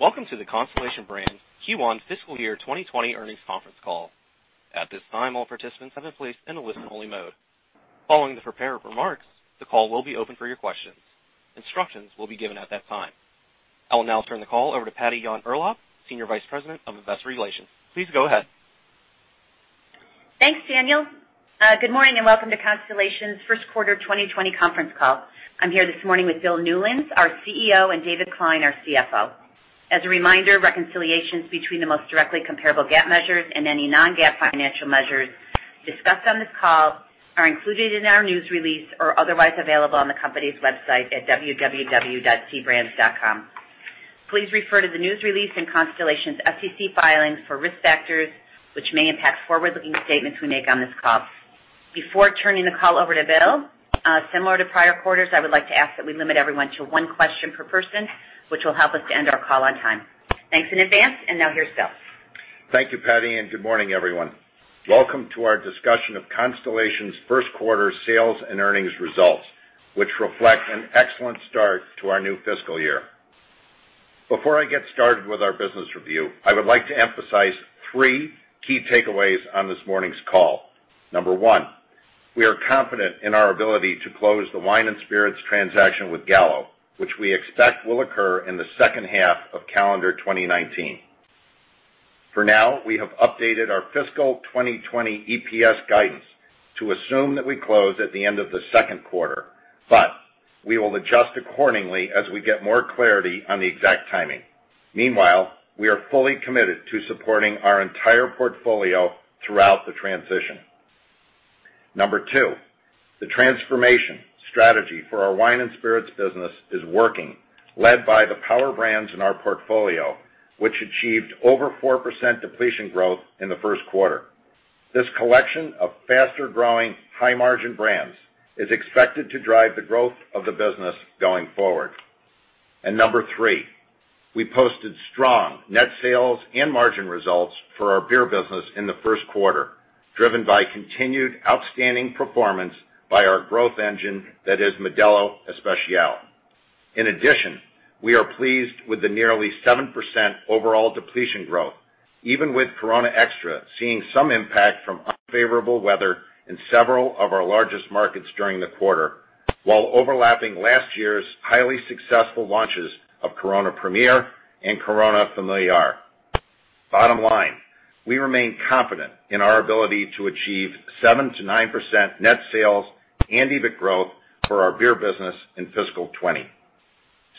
Welcome to the Constellation Brands Q1 fiscal year 2020 earnings conference call. At this time, all participants have been placed in a listen-only mode. Following the prepared remarks, the call will be open for your questions. Instructions will be given at that time. I will now turn the call over to Patty Yahn-Urlaub, Senior Vice President of Investor Relations. Please go ahead. Thanks, Daniel. Good morning, and welcome to Constellation's first quarter 2020 conference call. I'm here this morning with Bill Newlands, our CEO, and David Klein, our CFO. As a reminder, reconciliations between the most directly comparable GAAP measures and any non-GAAP financial measures discussed on this call are included in our news release or otherwise available on the company's website at www.cbrands.com. Please refer to the news release and Constellation's SEC filings for risk factors, which may impact forward-looking statements we make on this call. Before turning the call over to Bill, similar to prior quarters, I would like to ask that we limit everyone to one question per person, which will help us to end our call on time. Thanks in advance. Now here's Bill. Thank you, Patty, and good morning, everyone. Welcome to our discussion of Constellation's first quarter sales and earnings results, which reflect an excellent start to our new fiscal year. Before I get started with our business review, I would like to emphasize three key takeaways on this morning's call. Number one, we are confident in our ability to close the Wine & Spirits transaction with Gallo, which we expect will occur in the second half of calendar 2019. For now, we have updated our fiscal 2020 EPS guidance to assume that we close at the end of the second quarter, but we will adjust accordingly as we get more clarity on the exact timing. Meanwhile, we are fully committed to supporting our entire portfolio throughout the transition. Number two, the transformation strategy for our Wine & Spirits business is working, led by the power brands in our portfolio, which achieved over 4% depletion growth in the first quarter. This collection of faster-growing, high-margin brands is expected to drive the growth of the business going forward. Number three, we posted strong net sales and margin results for our Beer business in the first quarter, driven by continued outstanding performance by our growth engine that is Modelo Especial. In addition, we are pleased with the nearly 7% overall depletion growth, even with Corona Extra seeing some impact from unfavorable weather in several of our largest markets during the quarter, while overlapping last year's highly successful launches of Corona Premier and Corona Familiar. Bottom line, we remain confident in our ability to achieve 7%-9% net sales and EBIT growth for our Beer business in fiscal 2020.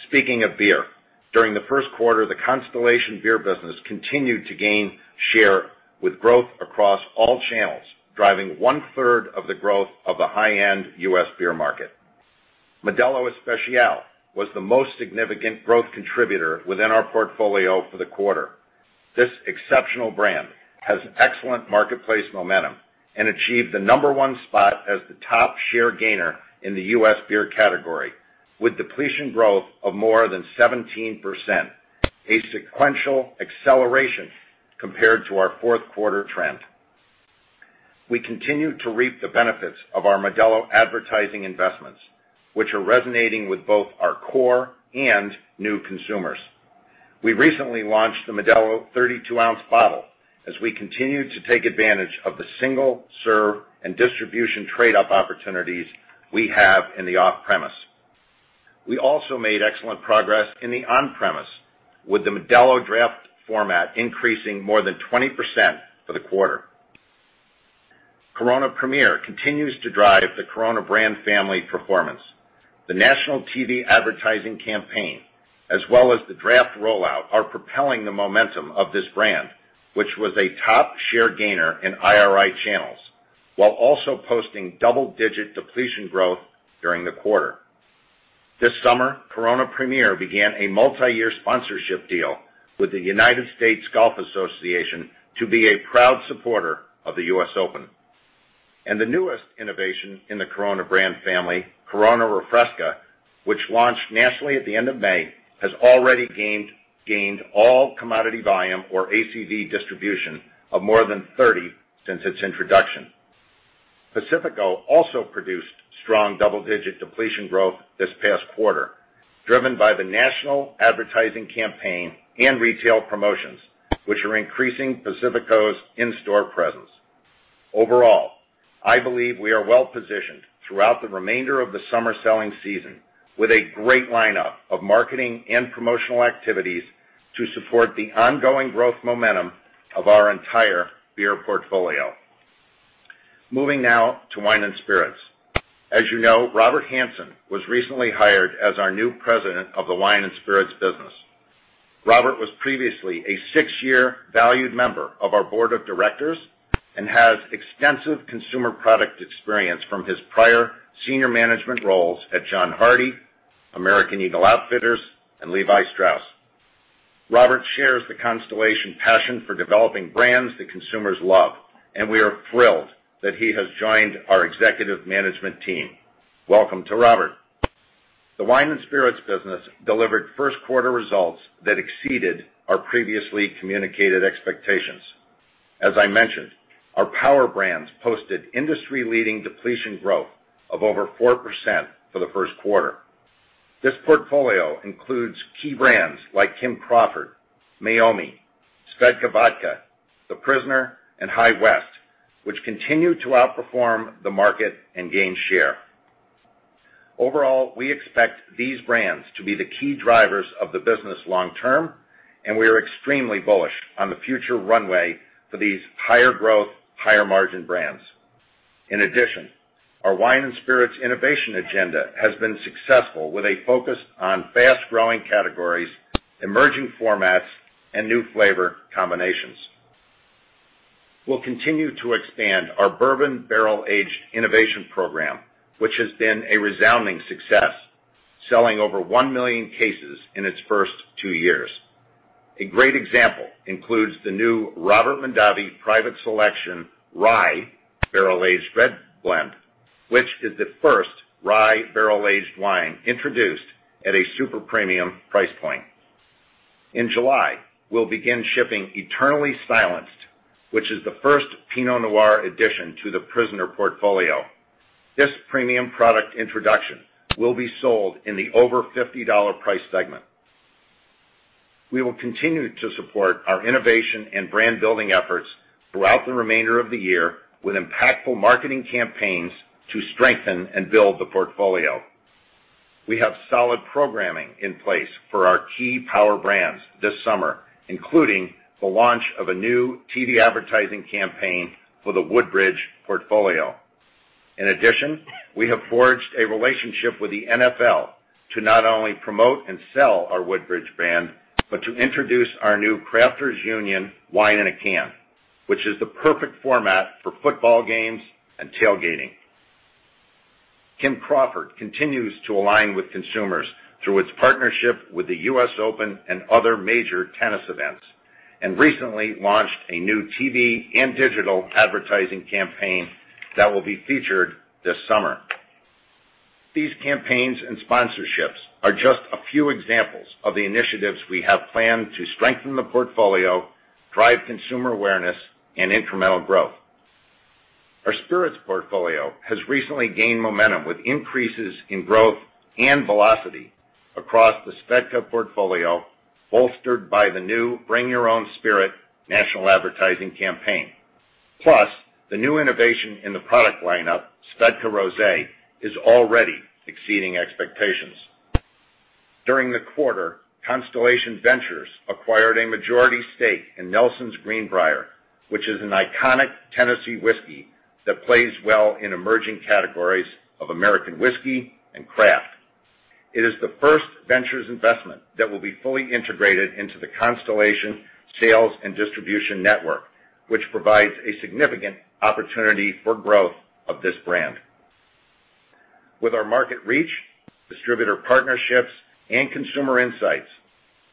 Speaking of Beer, during the first quarter, the Constellation Beer business continued to gain share with growth across all channels, driving 1/3 of the growth of the high-end U.S. Beer market. Modelo Especial was the most significant growth contributor within our portfolio for the quarter. This exceptional brand has excellent marketplace momentum and achieves the number one spot as the top share gainer in the U.S. Beer category, with depletion growth of more than 17%, a sequential acceleration compared to our fourth quarter trend. We continue to reap the benefits of our Modelo advertising investments, which are resonating with both our core and new consumers. We recently launched the Modelo 32 oz bottle as we continue to take advantage of the single-serve and distribution trade-up opportunities we have in the off-premise. We also made excellent progress in the on-premise, with the Modelo draft format increasing more than 20% for the quarter. Corona Premier continues to drive the Corona brand family performance. The national TV advertising campaign, as well as the draft rollout, are propelling the momentum of this brand, which was a top share gainer in IRI channels, while also posting double-digit depletion growth during the quarter. This summer, Corona Premier began a multiyear sponsorship deal with the United States Golf Association to be a proud supporter of the U.S. Open. The newest innovation in the Corona brand family, Corona Refresca, which launched nationally at the end of May, has already gained all commodity volume, or ACV distribution, of more than 30 since its introduction. Pacifico also produced strong double-digit depletion growth this past quarter, driven by the national advertising campaign and retail promotions, which are increasing Pacifico's in-store presence. Overall, I believe we are well-positioned throughout the remainder of the summer selling season with a great lineup of marketing and promotional activities to support the ongoing growth momentum of our entire Beer portfolio. Moving now to Wine & Spirits. As you know, Robert Hanson was recently hired as our new president of the Wine & Spirits business. Robert was previously a six-year valued member of our board of directors and has extensive consumer product experience from his prior senior management roles at John Hardy, American Eagle Outfitters, and Levi Strauss. Robert shares the Constellation passion for developing brands that consumers love, and we are thrilled that he has joined our executive management team. Welcome to Robert. The Wine & Spirits business delivered first quarter results that exceeded our previously communicated expectations. As I mentioned, our power brands posted industry-leading depletion growth of over 4% for the first quarter. This portfolio includes key brands like Kim Crawford, Meiomi, SVEDKA Vodka, The Prisoner, and High West, which continue to outperform the market and gain share. Overall, we expect these brands to be the key drivers of the business long term, and we are extremely bullish on the future runway for these higher growth, higher margin brands. In addition, our Wine & Spirits innovation agenda has been successful with a focus on fast-growing categories, emerging formats, and new flavor combinations. We'll continue to expand our bourbon barrel-aged innovation program, which has been a resounding success, selling over 1 million cases in its first two years. A great example includes the new Robert Mondavi Private Selection Rye Barrel-Aged Red Blend, which is the first rye barrel-aged wine introduced at a super-premium price point. In July, we'll begin shipping Eternally Silenced, which is the first Pinot Noir addition to The Prisoner portfolio. This premium product introduction will be sold in the over $50 price segment. We will continue to support our innovation and brand-building efforts throughout the remainder of the year with impactful marketing campaigns to strengthen and build the portfolio. We have solid programming in place for our key power brands this summer, including the launch of a new TV advertising campaign for the Woodbridge portfolio. In addition, we have forged a relationship with the NFL to not only promote and sell our Woodbridge brand, but to introduce our new Crafters Union Wine in a Can, which is the perfect format for football games and tailgating. Kim Crawford continues to align with consumers through its partnership with the U.S. Open and other major tennis events, and recently launched a new TV and digital advertising campaign that will be featured this summer. These campaigns and sponsorships are just a few examples of the initiatives we have planned to strengthen the portfolio, drive consumer awareness, and incremental growth. Our Spirits portfolio has recently gained momentum with increases in growth and velocity across the SVEDKA portfolio, bolstered by the new Bring Your Own Spirit national advertising campaign. Plus, the new innovation in the product lineup, SVEDKA Rosé, is already exceeding expectations. During the quarter, Constellation Ventures acquired a majority stake in Nelson's Green Brier, which is an iconic Tennessee whiskey that plays well in emerging categories of American whiskey and craft. It is the first ventures investment that will be fully integrated into the Constellation sales and distribution network, which provides a significant opportunity for growth of this brand. With our market reach, distributor partnerships, and consumer insights,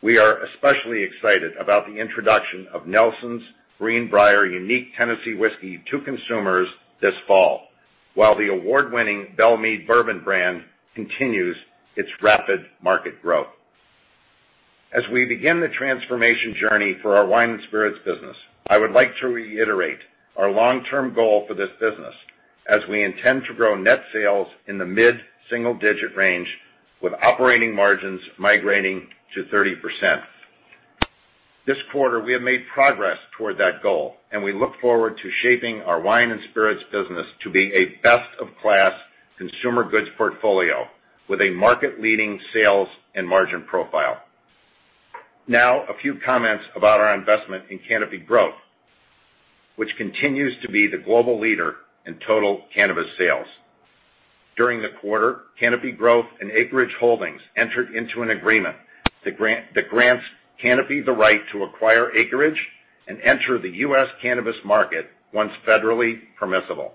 we are especially excited about the introduction of Nelson's Green Brier unique Tennessee whiskey to consumers this fall, while the award-winning Belle Meade Bourbon brand continues its rapid market growth. As we begin the transformation journey for our Wine & Spirits business, I would like to reiterate our long-term goal for this business, as we intend to grow net sales in the mid-single-digit range with operating margins migrating to 30%. This quarter, we have made progress toward that goal, and we look forward to shaping our Wine & Spirits business to be a best-in-class consumer goods portfolio with a market-leading sales and margin profile. Now, a few comments about our investment in Canopy Growth, which continues to be the global leader in total cannabis sales. During the quarter, Canopy Growth and Acreage Holdings entered into an agreement that grants Canopy the right to acquire Acreage and enter the U.S. cannabis market once federally permissible.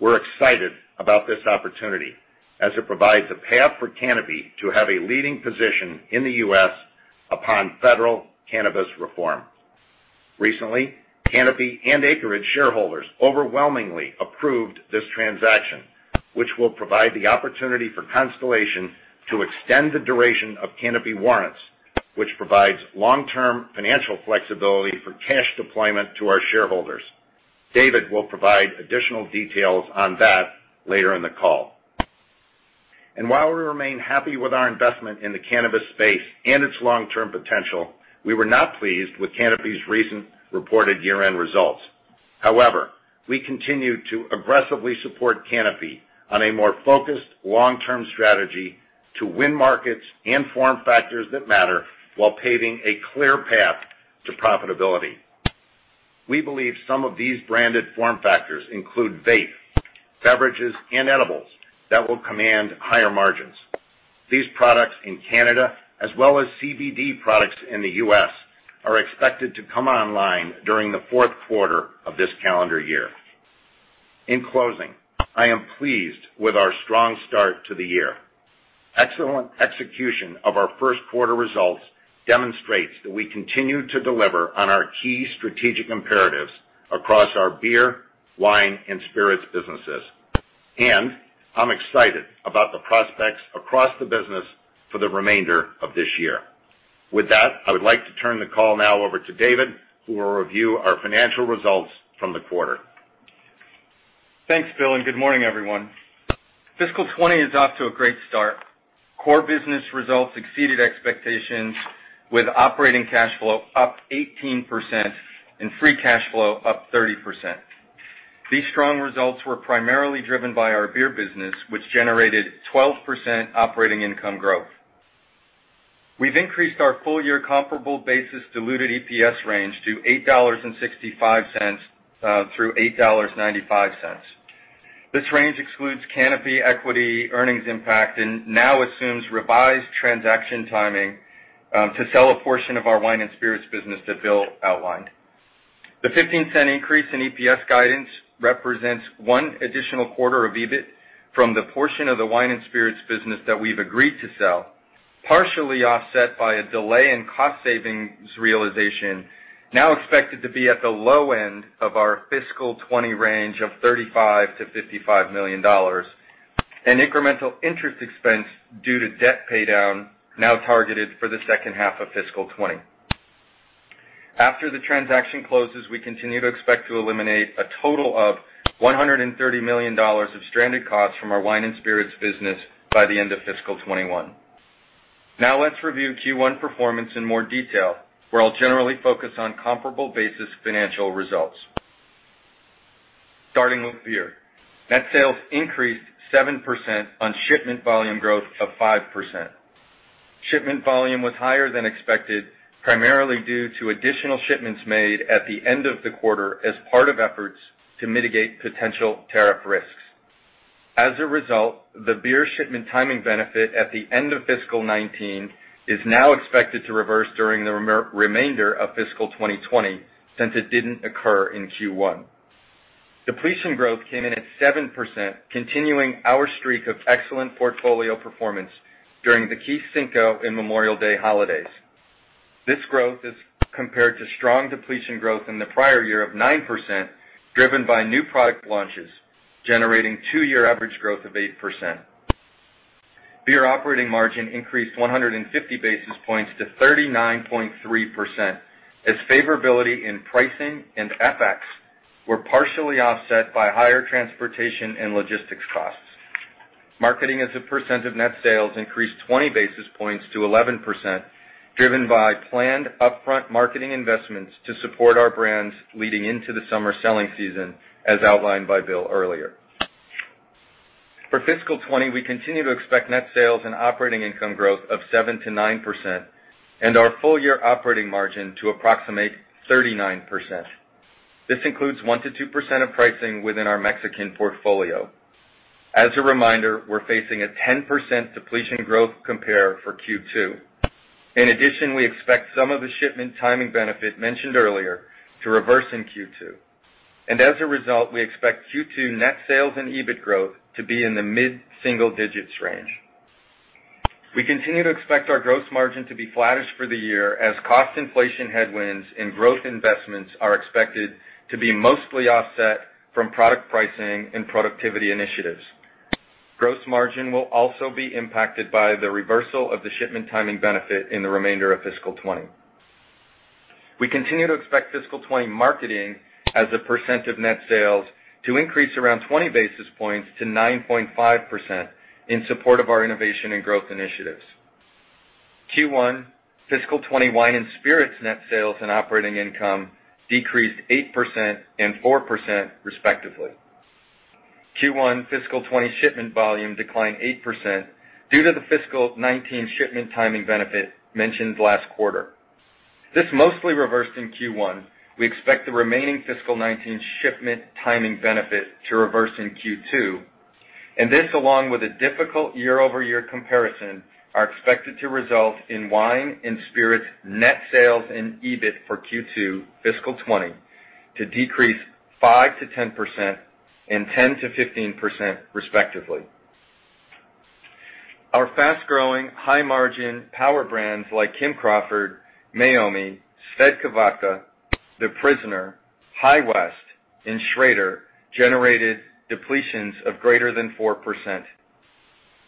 We're excited about this opportunity, as it provides a path for Canopy to have a leading position in the U.S. upon federal cannabis reform. Recently, Canopy and Acreage shareholders overwhelmingly approved this transaction, which will provide the opportunity for Constellation to extend the duration of Canopy warrants, which provides long-term financial flexibility for cash deployment to our shareholders. David will provide additional details on that later in the call. While we remain happy with our investment in the cannabis space and its long-term potential, we were not pleased with Canopy's recent reported year-end results. We continue to aggressively support Canopy on a more focused long-term strategy to win markets and form factors that matter while paving a clear path to profitability. We believe some of these branded form factors include vape, beverages, and edibles that will command higher margins. These products in Canada, as well as CBD products in the U.S., are expected to come online during the fourth quarter of this calendar year. In closing, I am pleased with our strong start to the year. Excellent execution of our first quarter results demonstrates that we continue to deliver on our key strategic imperatives across our Beer and Wine & Spirits businesses. I'm excited about the prospects across the business for the remainder of this year. With that, I would like to turn the call now over to David, who will review our financial results from the quarter. Thanks, Bill, and good morning, everyone. Fiscal 2020 is off to a great start. Core business results exceeded expectations, with operating cash flow up 18% and free cash flow up 30%. These strong results were primarily driven by our Beer business, which generated 12% operating income growth. We've increased our full-year comparable basis diluted EPS range to $8.65-$8.95. This range excludes Canopy equity earnings impact and now assumes revised transaction timing to sell a portion of our Wine & Spirits business that Bill outlined. The $0.15 increase in EPS guidance represents one additional quarter of EBIT from the portion of the Wine & Spirits business that we've agreed to sell, partially offset by a delay in cost savings realization, now expected to be at the low end of our fiscal 2020 range of $35 million-$55 million. An incremental interest expense due to debt paydown is now targeted for the second half of fiscal 2020. After the transaction closes, we continue to expect to eliminate a total of $130 million of stranded costs from our Wine & Spirits business by the end of fiscal 2021. Now let's review Q1 performance in more detail, where I'll generally focus on comparable basis financial results. Starting with Beer. Net sales increased 7% on shipment volume growth of 5%. Shipment volume was higher than expected, primarily due to additional shipments made at the end of the quarter as part of efforts to mitigate potential tariff risks. As a result, the Beer shipment timing benefit at the end of fiscal 2019 is now expected to reverse during the remainder of fiscal 2020, since it didn't occur in Q1. Depletion growth came in at 7%, continuing our streak of excellent portfolio performance during the key Cinco and Memorial Day holidays. This growth is compared to strong depletion growth in the prior year of 9%, driven by new product launches, generating two-year average growth of 8%. Beer operating margin increased 150 basis points to 39.3%, as favorability in pricing and FX were partially offset by higher transportation and logistics costs. Marketing as a percent of net sales increased 20 basis points to 11%, driven by planned upfront marketing investments to support our brands leading into the summer selling season, as outlined by Bill earlier. For fiscal 2020, we continue to expect net sales and operating income growth of 7%-9%, and our full year operating margin to approximate 39%. This includes 1%-2% of pricing within our Mexican portfolio. As a reminder, we're facing a 10% depletion growth compared to Q2. In addition, we expect some of the shipment timing benefits mentioned earlier to reverse in Q2, as a result, we expect Q2 net sales and EBIT growth to be in the mid-single digits range. We continue to expect our gross margin to be flattish for the year as cost inflation headwinds and growth investments are expected to be mostly offset from product pricing and productivity initiatives. Gross margin will also be impacted by the reversal of the shipment timing benefit in the remainder of fiscal 2020. We continue to expect fiscal 2020 marketing as a percent of net sales to increase around 20 basis points to 9.5% in support of our innovation and growth initiatives. Q1 fiscal 2020 Wine & Spirits net sales and operating income decreased 8% and 4% respectively. Q1 fiscal 2020 shipment volume declined 8% due to the fiscal 2019 shipment timing benefit mentioned last quarter. This mostly reversed in Q1. We expect the remaining fiscal 2019 shipment timing benefit to reverse in Q2, this, along with a difficult year-over-year comparison, are expected to result in Wine & Spirits net sales and EBIT for Q2 fiscal 2020 to decrease 5%-10% and 10%-15%, respectively. Our fast-growing, high-margin power brands like Kim Crawford, Meiomi, SVEDKA Vodka, The Prisoner, High West, and Schrader generated depletions of greater than 4%.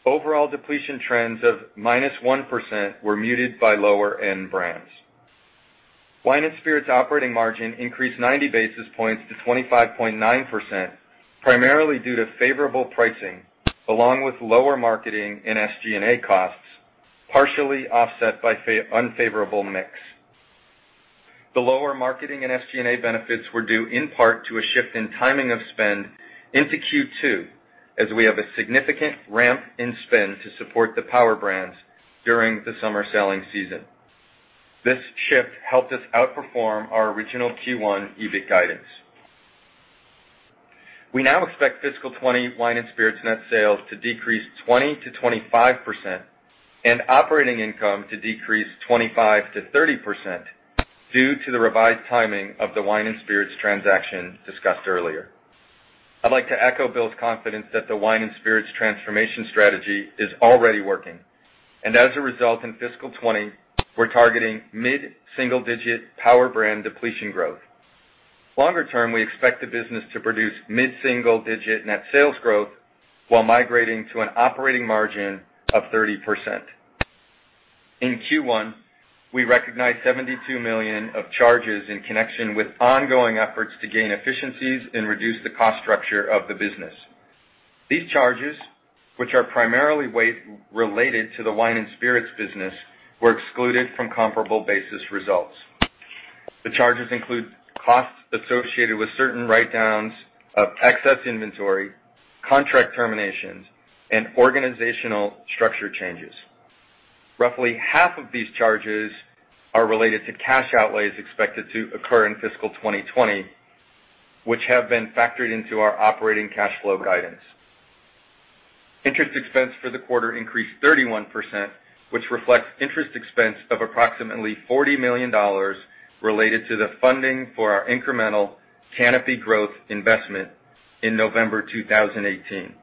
Overall depletion trends of -1% were muted by lower-end brands. Wine & Spirits operating margin increased 90 basis points to 25.9%, primarily due to favorable pricing along with lower marketing and SG&A costs, partially offset by unfavorable mix. The lower marketing and SG&A benefits were due in part to a shift in timing of spend into Q2, as we have a significant ramp in spend to support the power brands during the summer selling season. This shift helped us outperform our original Q1 EBIT guidance. We now expect fiscal 2020 Wine & Spirits net sales to decrease 20%-25% and operating income to decrease 25%-30% due to the revised timing of the Wine & Spirits transaction discussed earlier. I'd like to echo Bill's confidence that the Wine & Spirits transformation strategy is already working. As a result, in fiscal 2020, we're targeting mid-single-digit power brand depletion growth. Longer term, we expect the business to produce mid-single-digit net sales growth while migrating to an operating margin of 30%. In Q1, we recognized $72 million of charges in connection with ongoing efforts to gain efficiencies and reduce the cost structure of the business. These charges, which are primarily weight-related to the Wine & Spirits business, were excluded from comparable basis results. The charges include costs associated with certain write-downs of excess inventory, contract terminations, and organizational structure changes. Roughly half of these charges are related to cash outlays expected to occur in fiscal 2020, which have been factored into our operating cash flow guidance. Interest expense for the quarter increased 31%, which reflects interest expense of approximately $40 million related to the funding for our incremental Canopy Growth investment in November 2018.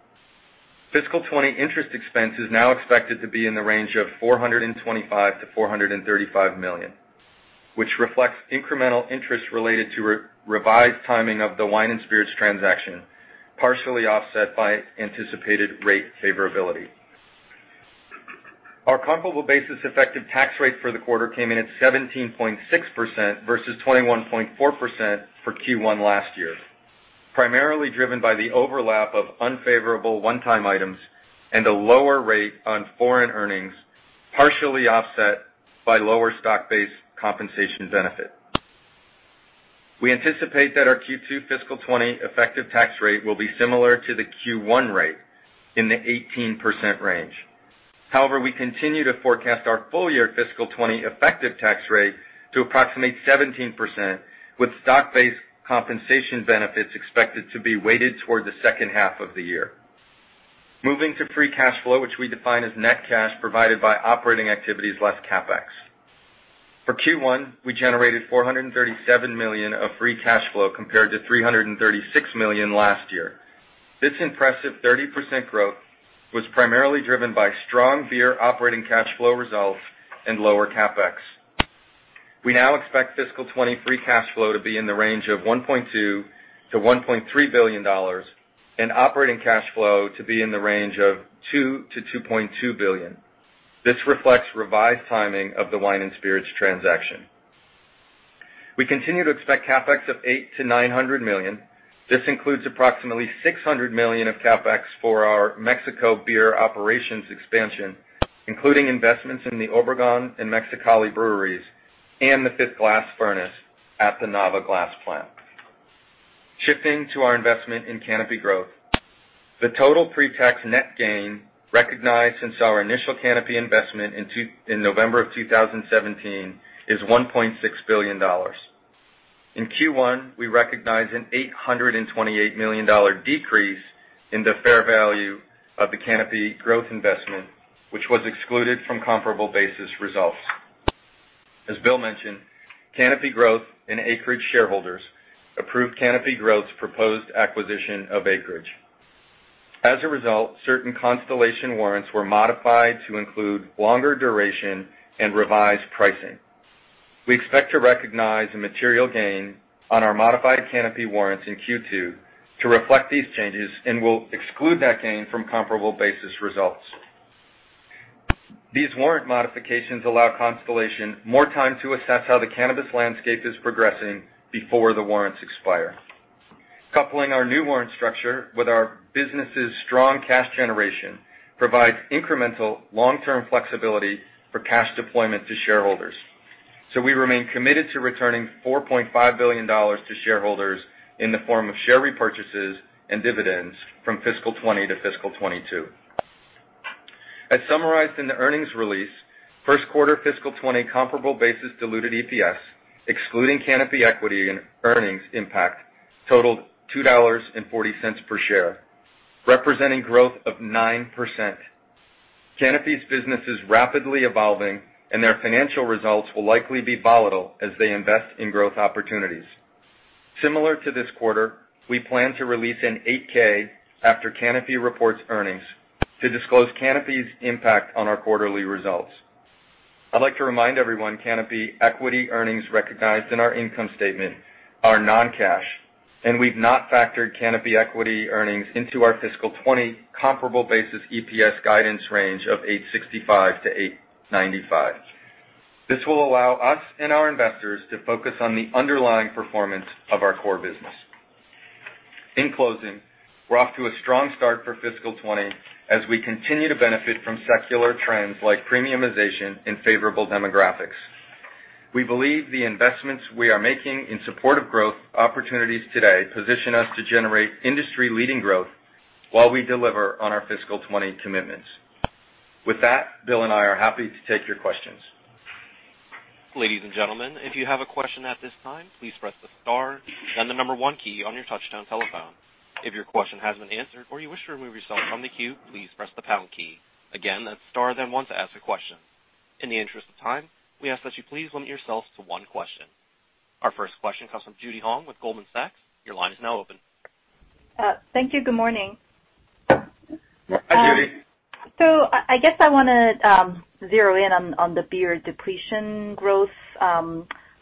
Fiscal 2020 interest expense is now expected to be in the range of $425 million-$435 million, which reflects incremental interest related to revised timing of the Wine & Spirits transaction, partially offset by anticipated rate favorability. Our comparable basis effective tax rate for the quarter came in at 17.6% versus 21.4% for Q1 last year, primarily driven by the overlap of unfavorable one-time items and a lower rate on foreign earnings, partially offset by lower stock-based compensation benefits. We anticipate that our Q2 fiscal 2020 effective tax rate will be similar to the Q1 rate, in the 18% range. We continue to forecast our full-year fiscal 2020 effective tax rate to approximate 17%, with stock-based compensation benefits expected to be weighted toward the second half of the year. Moving to free cash flow, which we define as net cash provided by operating activities less CapEx. For Q1, we generated $437 million of free cash flow compared to $336 million last year. This impressive 30% growth was primarily driven by strong Beer operating cash flow results and lower CapEx. We now expect fiscal 2020 free cash flow to be in the range of $1.2 billion-$1.3 billion and operating cash flow to be in the range of $2 billion-$2.2 billion. This reflects revised timing of the Wine & Spirits transaction. We continue to expect CapEx of $800 million-$900 million. This includes approximately $600 million of CapEx for our Mexico Beer operations expansion, including investments in the Obregón and Mexicali breweries and the fifth glass furnace at the Nava glass plant. Shifting to our investment in Canopy Growth, the total pre-tax net gain recognized since our initial Canopy investment in November of 2017 is $1.6 billion. In Q1, we recognized an $828 million decrease in the fair value of the Canopy Growth investment, which was excluded from comparable basis results. As Bill mentioned, Canopy Growth and Acreage shareholders approved Canopy Growth's proposed acquisition of Acreage. As a result, certain Constellation warrants were modified to include longer duration and revised pricing. We expect to recognize a material gain on our modified Canopy warrants in Q2 to reflect these changes and will exclude that gain from comparable basis results. These warrant modifications allow Constellation more time to assess how the cannabis landscape is progressing before the warrants expire. Coupling our new warrant structure with our business' strong cash generation provides incremental long-term flexibility for cash deployment to shareholders. We remain committed to returning $4.5 billion to shareholders in the form of share repurchases and dividends from fiscal 2020 to fiscal 2022. As summarized in the earnings release, first quarter fiscal 2020 comparable basis diluted EPS, excluding Canopy equity and earnings impact, totaled $2.40 per share, representing growth of 9%. Canopy's business is rapidly evolving, and their financial results will likely be volatile as they invest in growth opportunities. Similar to this quarter, we plan to release an 8-K after Canopy reports earnings to disclose Canopy's impact on our quarterly results. I'd like to remind everyone that Canopy equity earnings recognized in our income statement are non-cash, and we've not factored Canopy equity earnings into our fiscal 2020 comparable basis EPS guidance range of $8.65-$8.95. This will allow us and our investors to focus on the underlying performance of our core business. In closing, we're off to a strong start for fiscal 2020 as we continue to benefit from secular trends like premiumization and favorable demographics. We believe the investments we are making in support of growth opportunities today position us to generate industry-leading growth while we deliver on our fiscal 2020 commitments. With that, Bill and I are happy to take your questions. Ladies and gentlemen, if you have a question at this time, please press the star, then the number one key on your touch-tone telephone. If your question has been answered or you wish to remove yourself from the queue, please press the pound key. Again, that's star then one to ask a question. In the interest of time, we ask that you please limit yourselves to one question. Our first question comes from Judy Hong with Goldman Sachs. Your line is now open. Thank you. Good morning. Hi, Judy. I guess I want to zero in on the Beer depletion growth,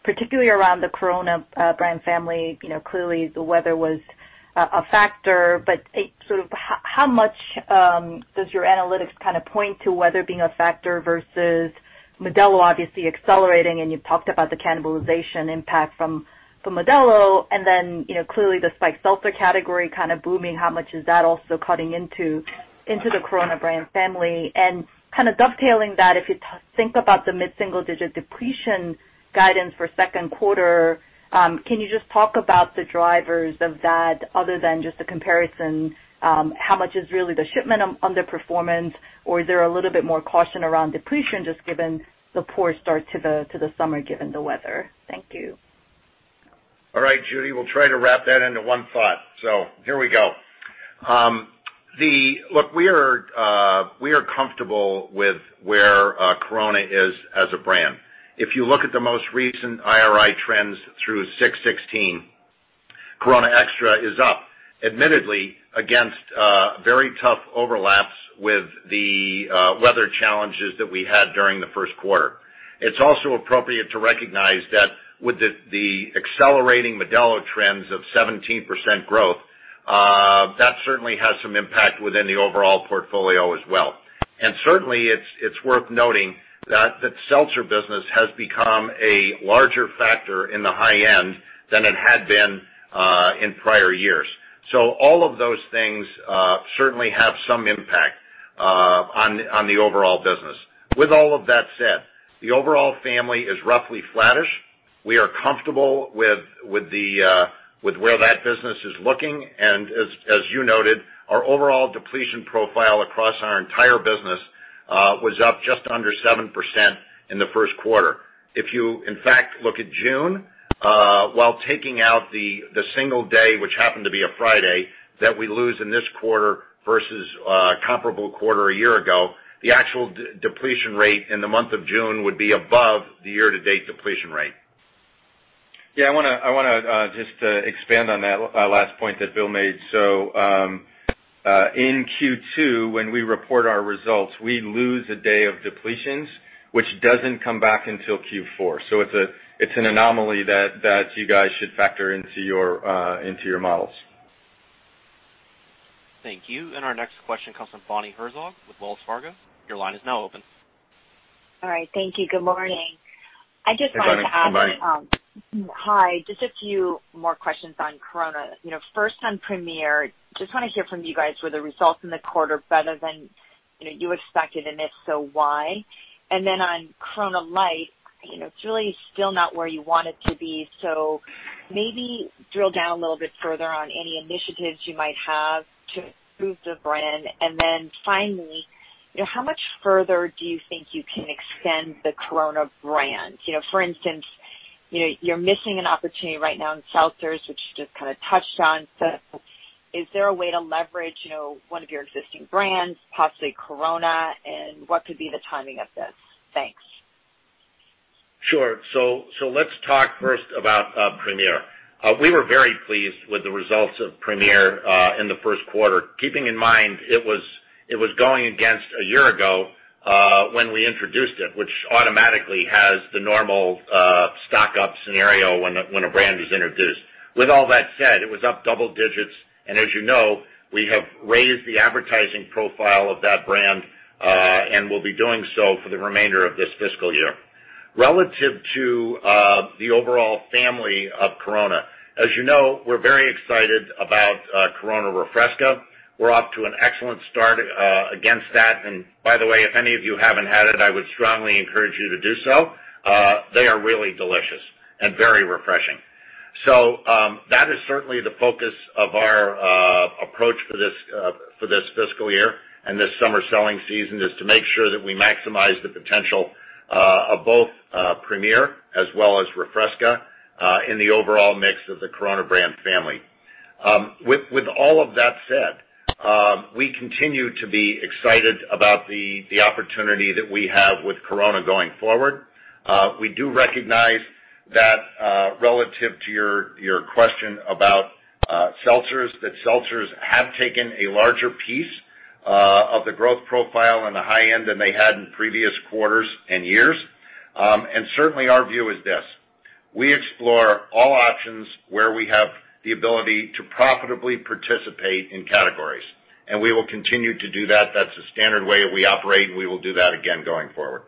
particularly around the Corona brand family. Clearly, the weather was a factor. How much does your analytics kind of point to weather being a factor versus Modelo obviously accelerating, and you talked about the cannibalization impact from Modelo, and then clearly the spiked seltzer category kind of booming. How much is that also cutting into the Corona brand family? Kind of dovetailing that, if you think about the mid-single-digit depletion guidance for 2Q, can you just talk about the drivers of that other than just the comparison? How much is really the shipment underperformance, or is there a little bit more caution around depletion, just given the poor start to the summer, given the weather? Thank you. All right, Judy, we'll try to wrap that into one thought. Here we go. Look, we are comfortable with where Corona is as a brand. If you look at the most recent IRI trends through 6/16, Corona Extra is up, admittedly against very tough overlaps with the weather challenges that we had during the first quarter. It's also appropriate to recognize that with the accelerating Modelo trends of 17% growth, that certainly has some impact within the overall portfolio as well. Certainly, it's worth noting that the seltzer business has become a larger factor in the high-end than it had been in prior years. All of those things certainly have some impact on the overall business. With all of that said, the overall family is roughly flattish. We are comfortable with where that business is looking, as you noted, our overall depletion profile across our entire business was up just under 7% in the first quarter. If you, in fact, look at June, while taking out the single day, which happened to be a Friday, that we lose in this quarter versus comparable quarter a year ago, the actual depletion rate in the month of June would be above the year-to-date depletion rate. I want to just expand on that last point that Bill made. In Q2, when we report our results, we lose a day of depletions, which doesn't come back until Q4. It's an anomaly that you guys should factor into your models. Thank you. Our next question comes from Bonnie Herzog with Wells Fargo. Your line is now open. All right. Thank you. Good morning. Hi, Bonnie. Good morning. Hi, just a few more questions on Corona. First, on Premier, just want to hear from you guys were the results in the quarter better than you expected, and if so, why? On Corona Light, it's really still not where you want it to be. Maybe drill down a little bit further on any initiatives you might have to improve the brand. Finally, how much further do you think you can extend the Corona brand? For instance, you're missing an opportunity right now in seltzers, which you just kind of touched on. Is there a way to leverage one of your existing brands, possibly Corona, and what could be the timing of this? Thanks. Let's talk first about Premier. We were very pleased with the results of Premier in the first quarter, keeping in mind it was going against a year ago when we introduced it, which automatically has the normal stock-up scenario when a brand is introduced. With all that said, it was up double digits, and as you know, we have raised the advertising profile of that brand, and will be doing so for the remainder of this fiscal year. Relative to the overall family of Corona, as you know, we are very excited about Corona Refresca. We are off to an excellent start against that. By the way, if any of you haven't had it, I would strongly encourage you to do so. They are really delicious and very refreshing. That is certainly the focus of our approach for this fiscal year and this summer selling season, is to make sure that we maximize the potential of both Premier as well as Refresca in the overall mix of the Corona brand family. With all of that said, we continue to be excited about the opportunity that we have with Corona going forward. We do recognize that, relative to your question about seltzers, that seltzers have taken a larger piece of the growth profile in the high end than they had in previous quarters and years. Certainly, our view is this. We explore all options where we have the ability to profitably participate in categories, and we will continue to do that. That's the standard way we operate, and we will do that again going forward.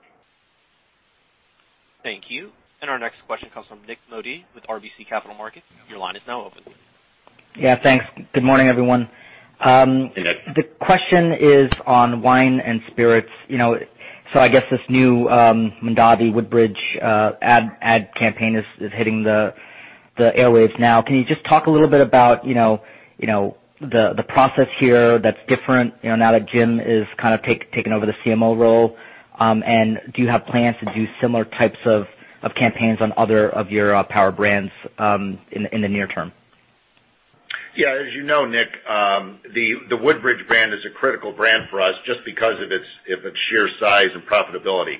Thank you. Our next question comes from Nik Modi with RBC Capital Markets. Your line is now open. Thanks. Good morning, everyone. Hey, Nik. The question is on Wine & Spirits. I guess this new Mondavi Woodbridge ad campaign is hitting the airwaves now. Can you just talk a little bit about the process here that's different, now that Jim is kind of taking over the CMO role? Do you have plans to do similar types of campaigns on other of your power brands in the near term? Yeah. As you know, Nik. The Woodbridge brand is a critical brand for us just because of its sheer size and profitability.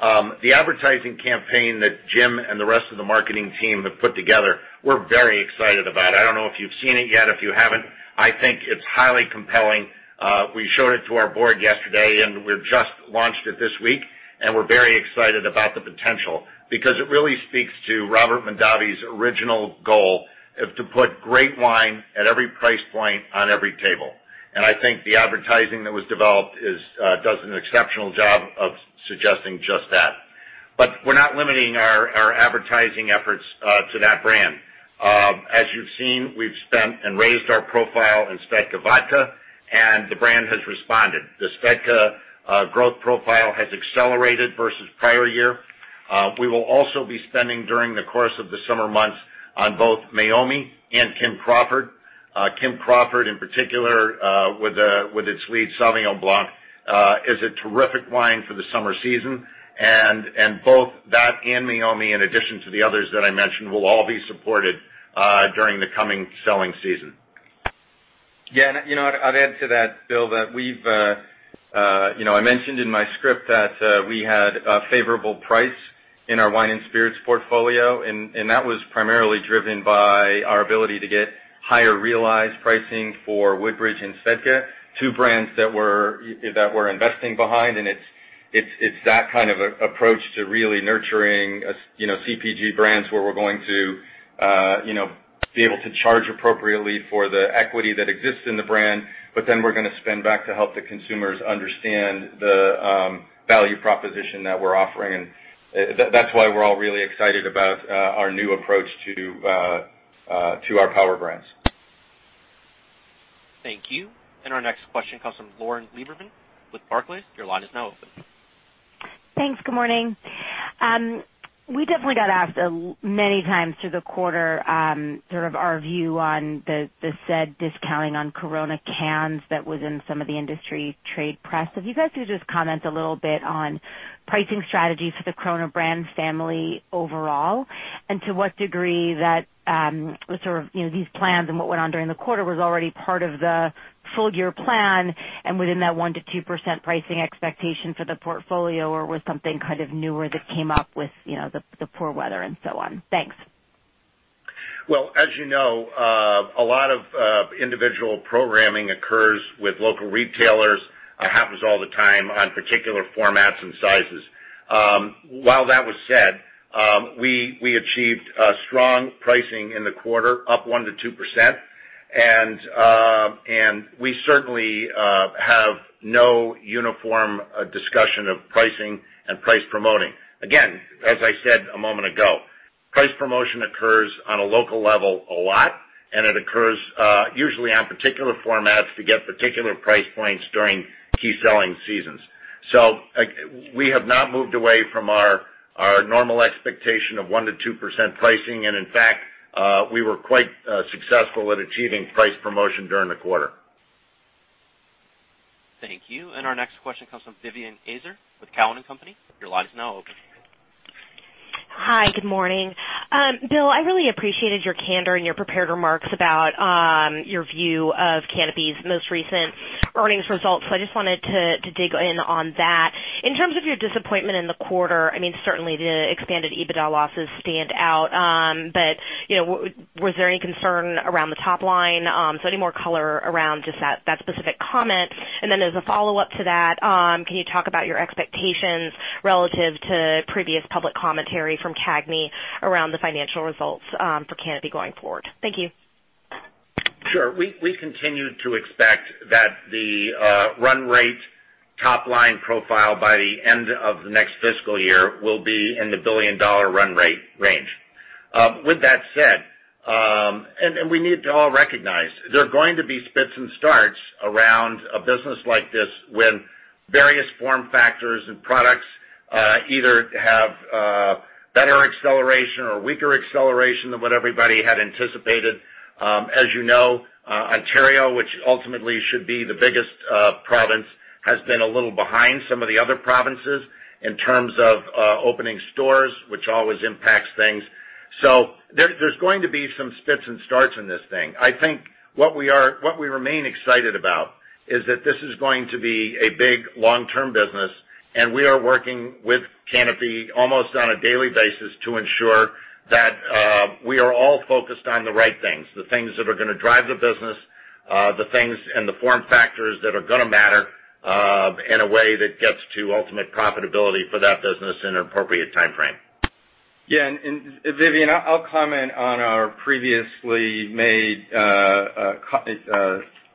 The advertising campaign that Jim and the rest of the marketing team have put together, we're very excited about. I don't know if you've seen it yet. If you haven't, I think it's highly compelling. We showed it to our board yesterday, and we've just launched it this week, and we're very excited about the potential because it really speaks to Robert Mondavi's original goal of, to put great wine at every price point on every table. I think the advertising that was developed does an exceptional job of suggesting just that. We're not limiting our advertising efforts to that brand. As you've seen, we've spent and raised our profile in SVEDKA Vodka, and the brand has responded. The SVEDKA growth profile has accelerated versus prior year. We will also be spending, during the course of the summer months, on both Meiomi and Kim Crawford. Kim Crawford, in particular, with its lead Sauvignon Blanc, is a terrific wine for the summer season. Both that and Meiomi, in addition to the others that I mentioned, will all be supported during the coming selling season. Yeah. I'd add to that, Bill, that I mentioned in my script that we had a favorable price in our Wine & Spirits portfolio, that was primarily driven by our ability to get higher realized pricing for Woodbridge and SVEDKA, two brands that we're investing behind. It's that kind of approach to really nurturing CPG brands where we're going to be able to charge appropriately for the equity that exists in the brand, but then we're going to spend back to help the consumers understand the value proposition that we're offering. That's why we're all really excited about our new approach to our power brands. Thank you. Our next question comes from Lauren Lieberman with Barclays. Your line is now open. Thanks. Good morning. We definitely got asked many times through the quarter, our view on the said discounting on Corona cans that was in some of the industry trade press. If you guys could just comment a little bit on pricing strategy for the Corona brands family overall, to what degree that these plans and what went on during the quarter was already part of the full-year plan and within that 1%-2% pricing expectation for the portfolio, or was something newer that came up with the poor weather and so on. Thanks. Well, as you know, a lot of individual programming occurs with local retailers. It happens all the time on particular formats and sizes. While that was said, we achieved strong pricing in the quarter, up 1%-2%. We certainly have no uniform discussion of pricing and price promoting. Again, as I said a moment ago, price promotion occurs on a local level a lot. It occurs usually on particular formats to get particular price points during key selling seasons. We have not moved away from our normal expectation of 1%-2% pricing. In fact, we were quite successful at achieving price promotion during the quarter. Thank you. Our next question comes from Vivien Azer with Cowen and Company. Your line is now open. Hi. Good morning. Bill, I really appreciated your candor in your prepared remarks about your view of Canopy's most recent earnings results. I just wanted to dig in on that. In terms of your disappointment in the quarter, certainly the expanded EBITDA losses stand out. Was there any concern around the top line? Any more color around just that specific comment. As a follow-up to that, can you talk about your expectations relative to previous public commentary from CAGNY around the financial results for Canopy going forward? Thank you. Sure. We continue to expect that the run rate top-line profile by the end of the next fiscal year will be in the billion-dollar run rate range. With that said, we need to all recognize that there are going to be spits and starts around a business like this when various form factors and products either have better acceleration or weaker acceleration than what everybody had anticipated. As you know, Ontario, which ultimately should be the biggest province, has been a little behind some of the other provinces in terms of opening stores, which always impacts things. There's going to be some spits and starts in this thing. I think what we remain excited about is that this is going to be a big long-term business, we are working with Canopy almost on a daily basis to ensure that we are all focused on the right things, the things that are going to drive the business, the things and the form factors that are going to matter, in a way that gets to ultimate profitability for that business in an appropriate timeframe. Yeah. Vivien, I will comment on our previously made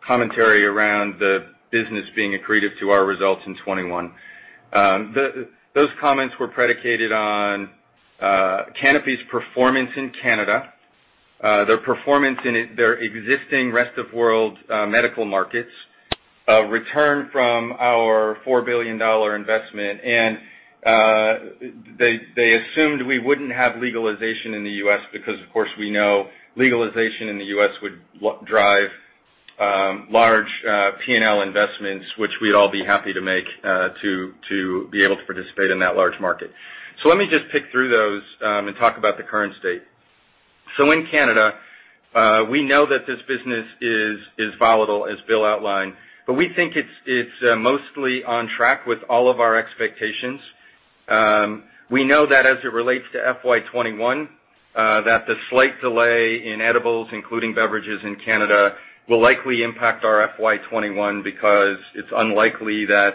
commentary around the business being accretive to our results in 2021. Those comments were predicated on Canopy's performance in Canada, their performance in their existing Rest-of-World medical markets, a return from our $4 billion investment, and they assumed we would not have legalization in the U.S. because, of course, we know legalization in the U.S. would drive large P&L investments, which we would all be happy to make to be able to participate in that large market. Let me just pick through those and talk about the current state. In Canada, we know that this business is volatile, as Bill outlined, but we think it is mostly on track with all of our expectations. We know that as it relates to FY 2021, that the slight delay in edibles, including beverages in Canada, will likely impact our FY 2021 because it is unlikely that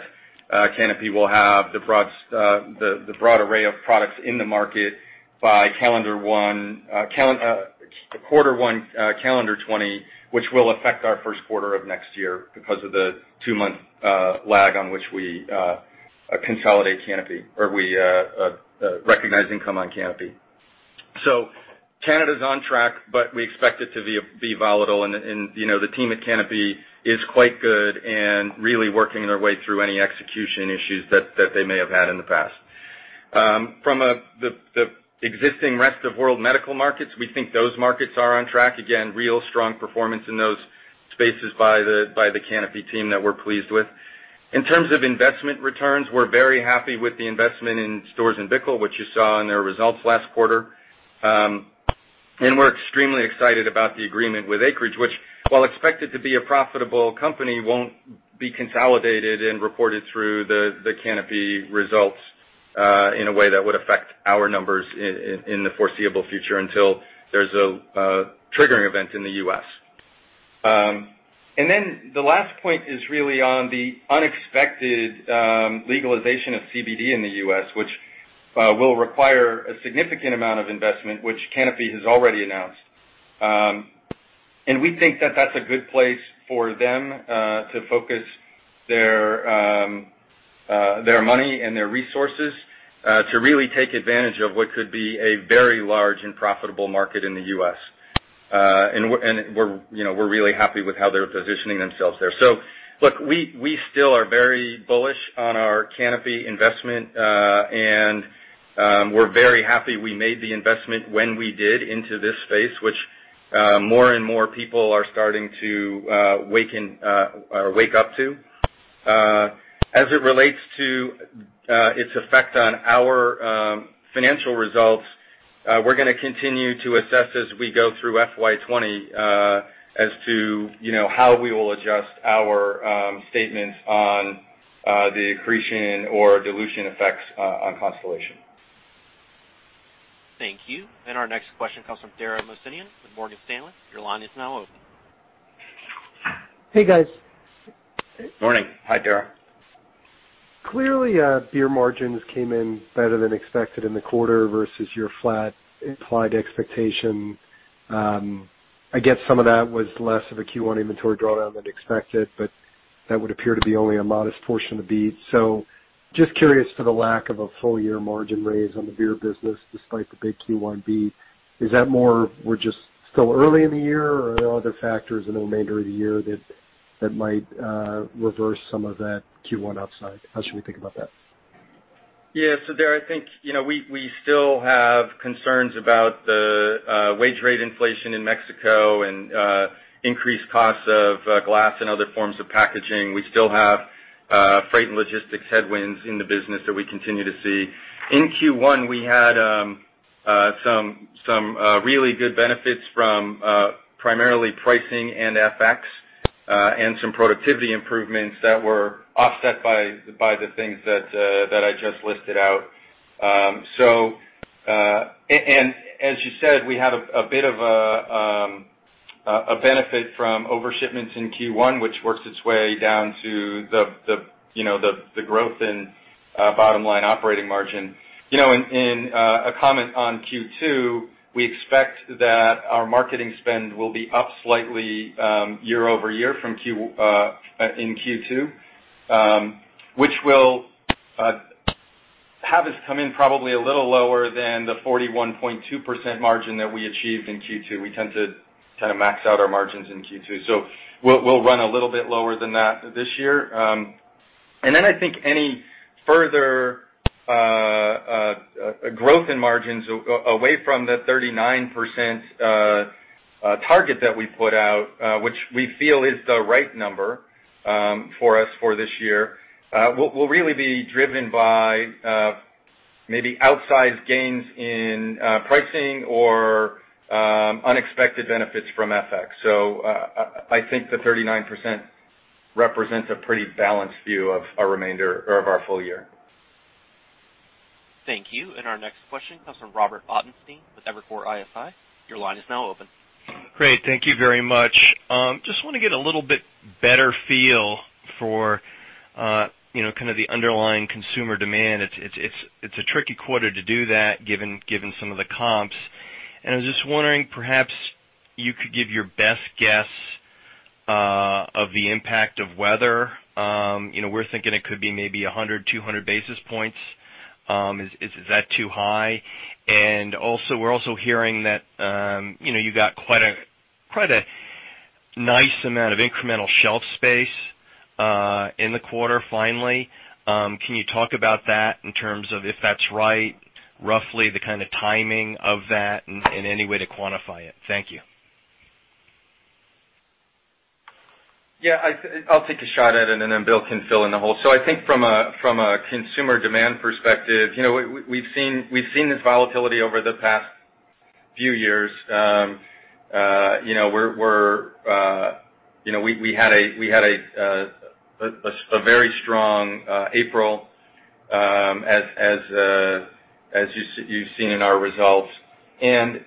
Canopy will have the broad array of products in the market by quarter one, calendar 2020, which will affect our first quarter of next year because of the two-month lag on which we consolidate Canopy, or we recognize income on Canopy. Canada is on track, but we expect it to be volatile and the team at Canopy is quite good and really working their way through any execution issues that they may have had in the past. From the existing Rest-of-World medical markets, we think those markets are on track. Again, real strong performance in those spaces by the Canopy team that we are pleased with. In terms of investment returns, we are very happy with the investment in Storz & Bickel, which you saw in their results last quarter. We are extremely excited about the agreement with Acreage, which, while expected to be a profitable company, will not be consolidated and reported through the Canopy results in a way that would affect our numbers in the foreseeable future until there is a triggering event in the U.S. The last point is really on the unexpected legalization of CBD in the U.S., which will require a significant amount of investment, which Canopy has already announced. We think that that is a good place for them to focus their money and their resources to really take advantage of what could be a very large and profitable market in the U.S. We are really happy with how they are positioning themselves there. Look, we still are very bullish on our Canopy investment. We are very happy we made the investment when we did into this space, which more and more people are starting to wake up to. As it relates to its effect on our financial results, we are going to continue to assess as we go through FY 2020 as to how we will adjust our statements on the accretion or dilution effects on Constellation. Thank you. Our next question comes from Dara Mohsenian with Morgan Stanley. Your line is now open. Hey, guys. Morning. Hi, Dara. Clearly, Beer margins came in better than expected in the quarter versus your flat implied expectation. I guess some of that was less of a Q1 inventory drawdown than expected, but that would appear to be only a modest portion of beats. Just curious for the lack of a full-year margin raise on the Beer business, despite the big Q1 beat. Is that more we're just still early in the year, or are there other factors in the remainder of the year that might reverse some of that Q1 upside? How should we think about that? Yeah. Dara, I think, we still have concerns about the wage rate inflation in Mexico and increased costs of glass and other forms of packaging. We still have freight and logistics headwinds in the business that we continue to see. In Q1, we had some really good benefits from primarily pricing and FX, and some productivity improvements that were offset by the things that I just listed out. As you said, we have a bit of a benefit from over shipments in Q1, which works its way down to the growth in bottom-line operating margin. In a comment on Q2, we expect that our marketing spend will be up slightly year-over-year in Q2, which will have us come in probably a little lower than the 41.2% margin that we achieved in Q2. We tend to max out our margins in Q2, we'll run a little bit lower than that this year. I think any further growth in margins away from the 39% target that we put out, which we feel is the right number for us for this year, will really be driven by maybe outsized gains in pricing or unexpected benefits from FX. I think the 39% represents a pretty balanced view of our full year. Thank you. Our next question comes from Robert Ottenstein with Evercore ISI. Your line is now open. Great. Thank you very much. Just want to get a little bit better feel for kind of the underlying consumer demand. It's a tricky quarter to do that, given some of the comps. I was just wondering, perhaps you could give your best guess of the impact of the weather. We're thinking it could be maybe 100, 200 basis points. Is that too high? Also, we're also hearing that you got quite a nice amount of incremental shelf space in the quarter, finally. Can you talk about that in terms of if that's right, roughly the kind of timing of that, and any way to quantify it? Thank you. Yeah. I'll take a shot at it. Bill can fill in the holes. I think from a consumer demand perspective, we've seen this volatility over the past few years. We had a very strong April, as you've seen in our results. I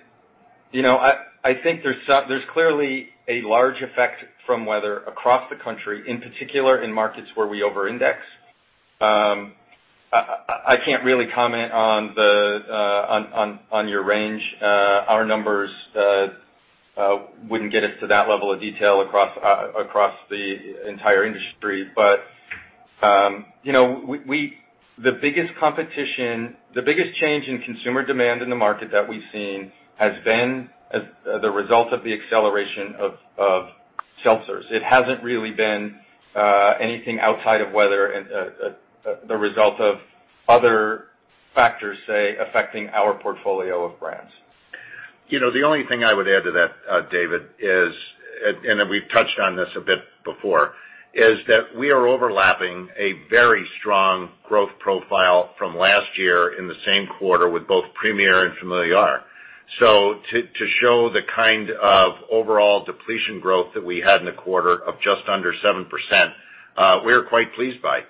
think there's clearly a large effect from weather across the country, in particular in markets where we over-index. I can't really comment on your range. Our numbers wouldn't get us to that level of detail across the entire industry. The biggest change in consumer demand in the market that we've seen has been the result of the acceleration of seltzers. It hasn't really been anything outside of weather and the result of other factors, say, affecting our portfolio of brands. The only thing I would add to that, David, is we've touched on this a bit before, is that we are overlapping a very strong growth profile from last year in the same quarter with both Premier and Familiar. To show the kind of overall depletion growth that we had in the quarter of just under 7%, we are quite pleased by.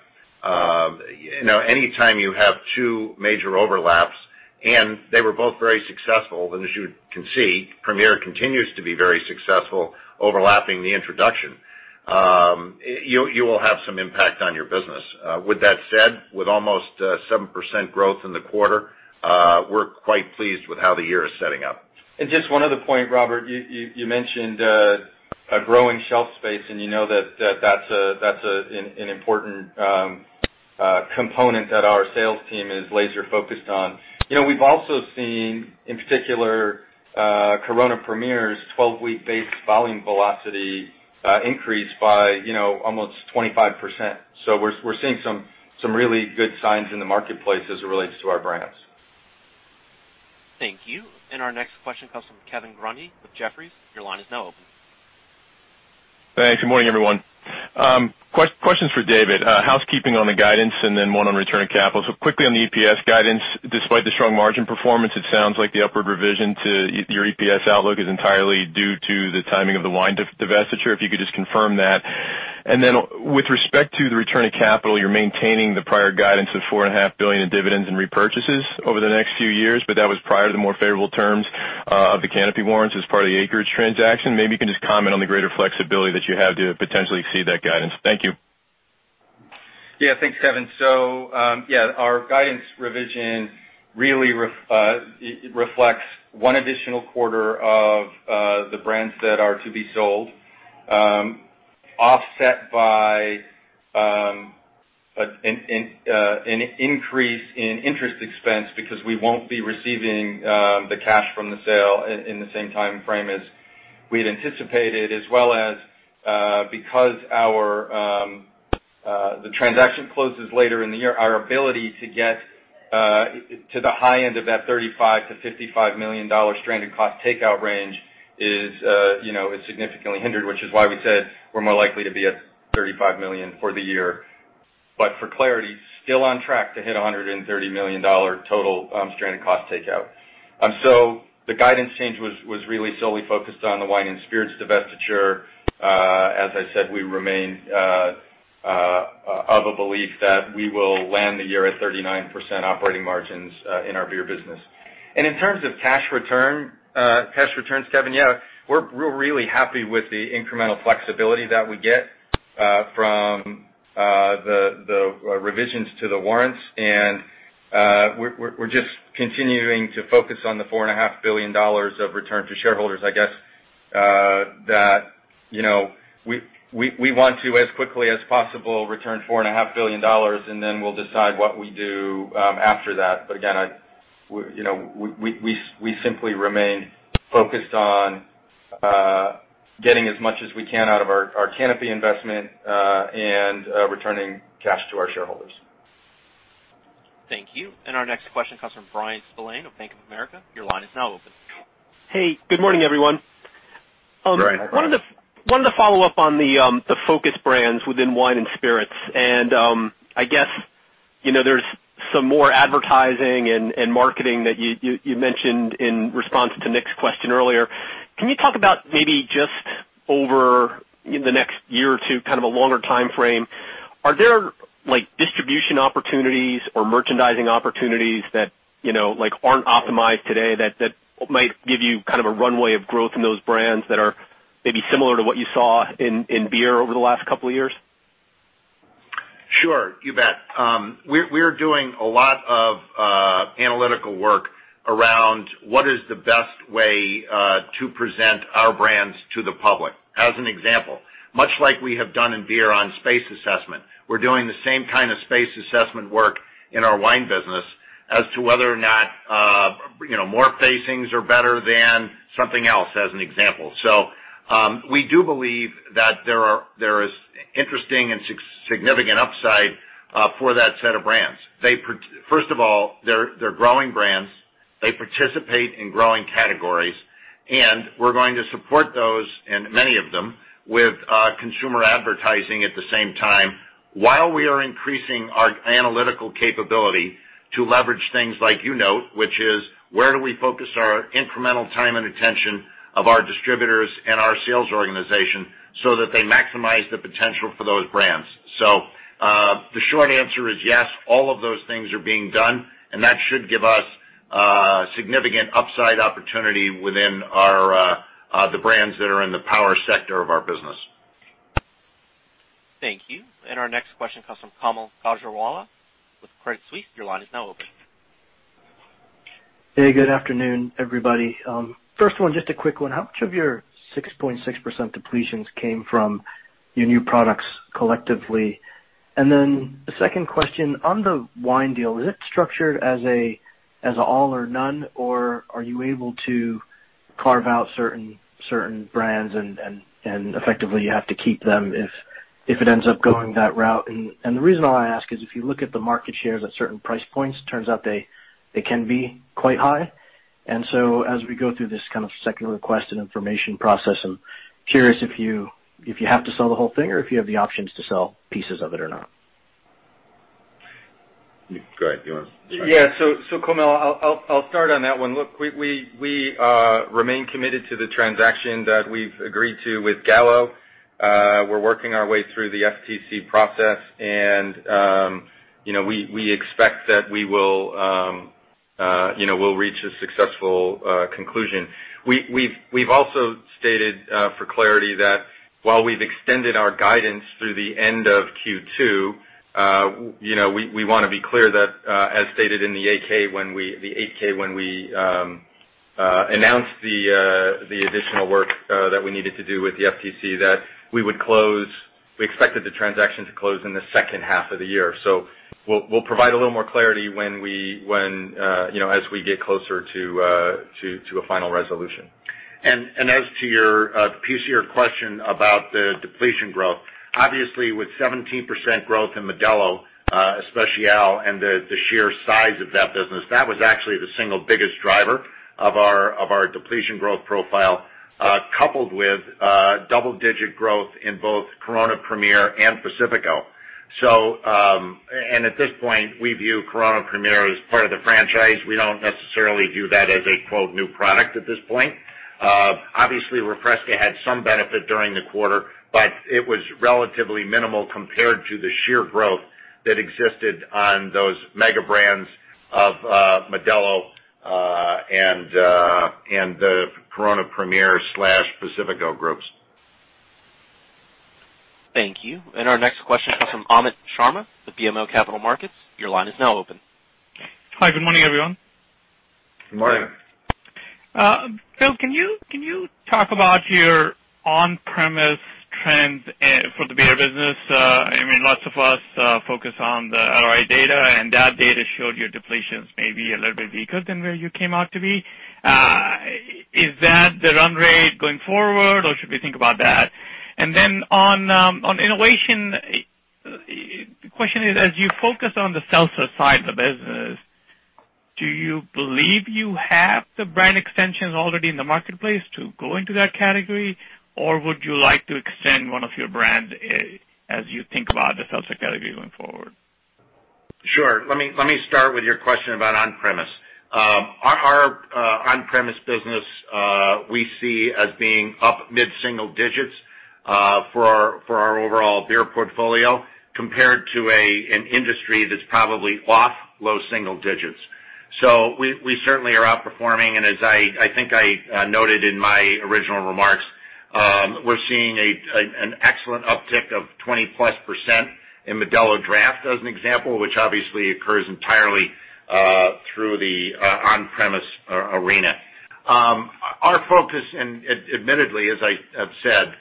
Any time you have two major overlaps, and they were both very successful, and as you can see, Premier continues to be very successful overlapping the introduction. You will have some impact on your business. With that said, with almost 7% growth in the quarter, we're quite pleased with how the year is setting up. Just one other point, Robert, you mentioned a growing shelf space, and you know that's an important component that our sales team is laser-focused on. We've also seen, in particular, Corona Premier's 12-week base volume velocity increase by almost 25%. We're seeing some really good signs in the marketplace as it relates to our brands. Thank you. Our next question comes from Kevin Grundy with Jefferies. Your line is now open. Thanks. Good morning, everyone. Questions for David. Housekeeping on the guidance and then one on return capital. quickly on the EPS guidance, despite the strong margin performance, it sounds like the upward revision to your EPS outlook is entirely due to the timing of the wine divestiture. If you could just confirm that. with respect to the return of capital, you're maintaining the prior guidance of $4.5 billion in dividends and repurchases over the next few years, but that was prior to the more favorable terms of the Canopy warrants as part of the Acreage transaction. Maybe you can just comment on the greater flexibility that you have to potentially exceed that guidance. Thank you. Yeah, thanks, Kevin. Our guidance revision really reflects one additional quarter of the brands that are to be sold, offset by an increase in interest expense, because we won't be receiving the cash from the sale in the same timeframe as we had anticipated, as well as because the transaction closes later in the year, our ability to get to the high end of that $35 million-$55 million stranded cost takeout range is significantly hindered, which is why we said we're more likely to be at $35 million for the year. For clarity, still on track to hit $130 million total stranded cost takeout. The guidance change was really solely focused on the Wine & Spirits divestiture. As I said, we remain of a belief that we will land the year at 39% operating margins in our Beer business. In terms of cash returns, Kevin, yeah, we're really happy with the incremental flexibility that we get from the revisions to the warrants. we're just continuing to focus on the $4.5 billion of return to shareholders. I guess that we want to, as quickly as possible, return $4.5 billion, and then we'll decide what we do after that. Again, we simply remain focused on getting as much as we can out of our Canopy investment and returning cash to our shareholders. Thank you. Our next question comes from Bryan Spillane of Bank of America. Your line is now open. Hey, good morning, everyone. Bryan. Wanted to follow up on the focus brands within Wine & Spirits, and I guess there's some more advertising and marketing that you mentioned in response to Nik's question earlier. Can you talk about maybe just over the next year or two, kind of a longer timeframe, are there distribution opportunities or merchandising opportunities that aren't optimized today that might give you a runway of growth in those brands that are maybe similar to what you saw in Beer over the last couple of years? Sure. You bet. We're doing a lot of analytical work around what is the best way to present our brands to the public. As an example, much like we have done in Beer on space assessment, we're doing the same kind of space assessment work in our wine business as to whether or not more facings are better than something else, as an example. We do believe that there is interesting and significant upside for that set of brands. First of all, they're growing brands. They participate in growing categories, and we're going to support those, and many of them, with consumer advertising at the same time, while we are increasing our analytical capability to leverage things like you note, which is where do we focus our incremental time and attention of our distributors and our sales organization so that they maximize the potential for those brands. The short answer is yes, all of those things are being done, and that should give us significant upside opportunity within the brands that are in the power sector of our business. Thank you. Our next question comes from Kaumil Gajrawala with Credit Suisse. Your line is now open. Hey, good afternoon, everybody. First one, just a quick one. How much of your 6.6% depletions came from your new products collectively? The second question, on the wine deal, is it structured as all or none, or are you able to carve out certain brands and effectively you have to keep them if it ends up going that route? The reason why I ask is if you look at the market shares at certain price points, turns out they can be quite high. As we go through this kind of second request and information process, I'm curious if you have to sell the whole thing or if you have the options to sell pieces of it or not. Go ahead. Yeah. Kaumil, I'll start on that one. Look, we remain committed to the transaction that we've agreed to with Gallo. We're working our way through the FTC process, and we expect that we'll reach a successful conclusion. We've also stated, for clarity, that while we've extended our guidance through the end of Q2, we want to be clear that, as stated in the 8-K when we announced the additional work that we needed to do with the FTC, that we expected the transaction to close in the second half of the year. We'll provide a little more clarity as we get closer to a final resolution. As to the piece of your question about the depletion growth, obviously with 17% growth in Modelo Especial and the sheer size of that business, that was actually the single biggest driver of our depletion growth profile, coupled with double-digit growth in both Corona Premier and Pacifico. At this point, we view Corona Premier as part of the franchise. We don't necessarily view that as a new product at this point. Obviously, Refresca had some benefit during the quarter, but it was relatively minimal compared to the sheer growth that existed on those mega brands of Modelo and the Corona Premier/Pacifico groups. Thank you. Our next question comes from Amit Sharma with BMO Capital Markets. Your line is now open. Hi, good morning, everyone. Good morning. Bill, can you talk about your on-premise trends for the Beer business? Lots of us focus on the IRI data, and that data showed your depletions may be a little bit weaker than where you came out to be. Is that the run rate going forward, or should we think about that? On innovation, the question is, as you focus on the seltzer side of the business, do you believe you have the brand extensions already in the marketplace to go into that category, or would you like to extend one of your brands as you think about the seltzer category going forward? Sure. Let me start with your question about on-premise. Our on-premise business we see as being up mid-single digits for our overall Beer portfolio, compared to an industry that's probably off low single digits. We certainly are outperforming, and as I think I noted in my original remarks, we're seeing an excellent uptick of 20%+ in Modelo draft, as an example, which obviously occurs entirely through the on-premise arena. Our focus, and admittedly, as I have said,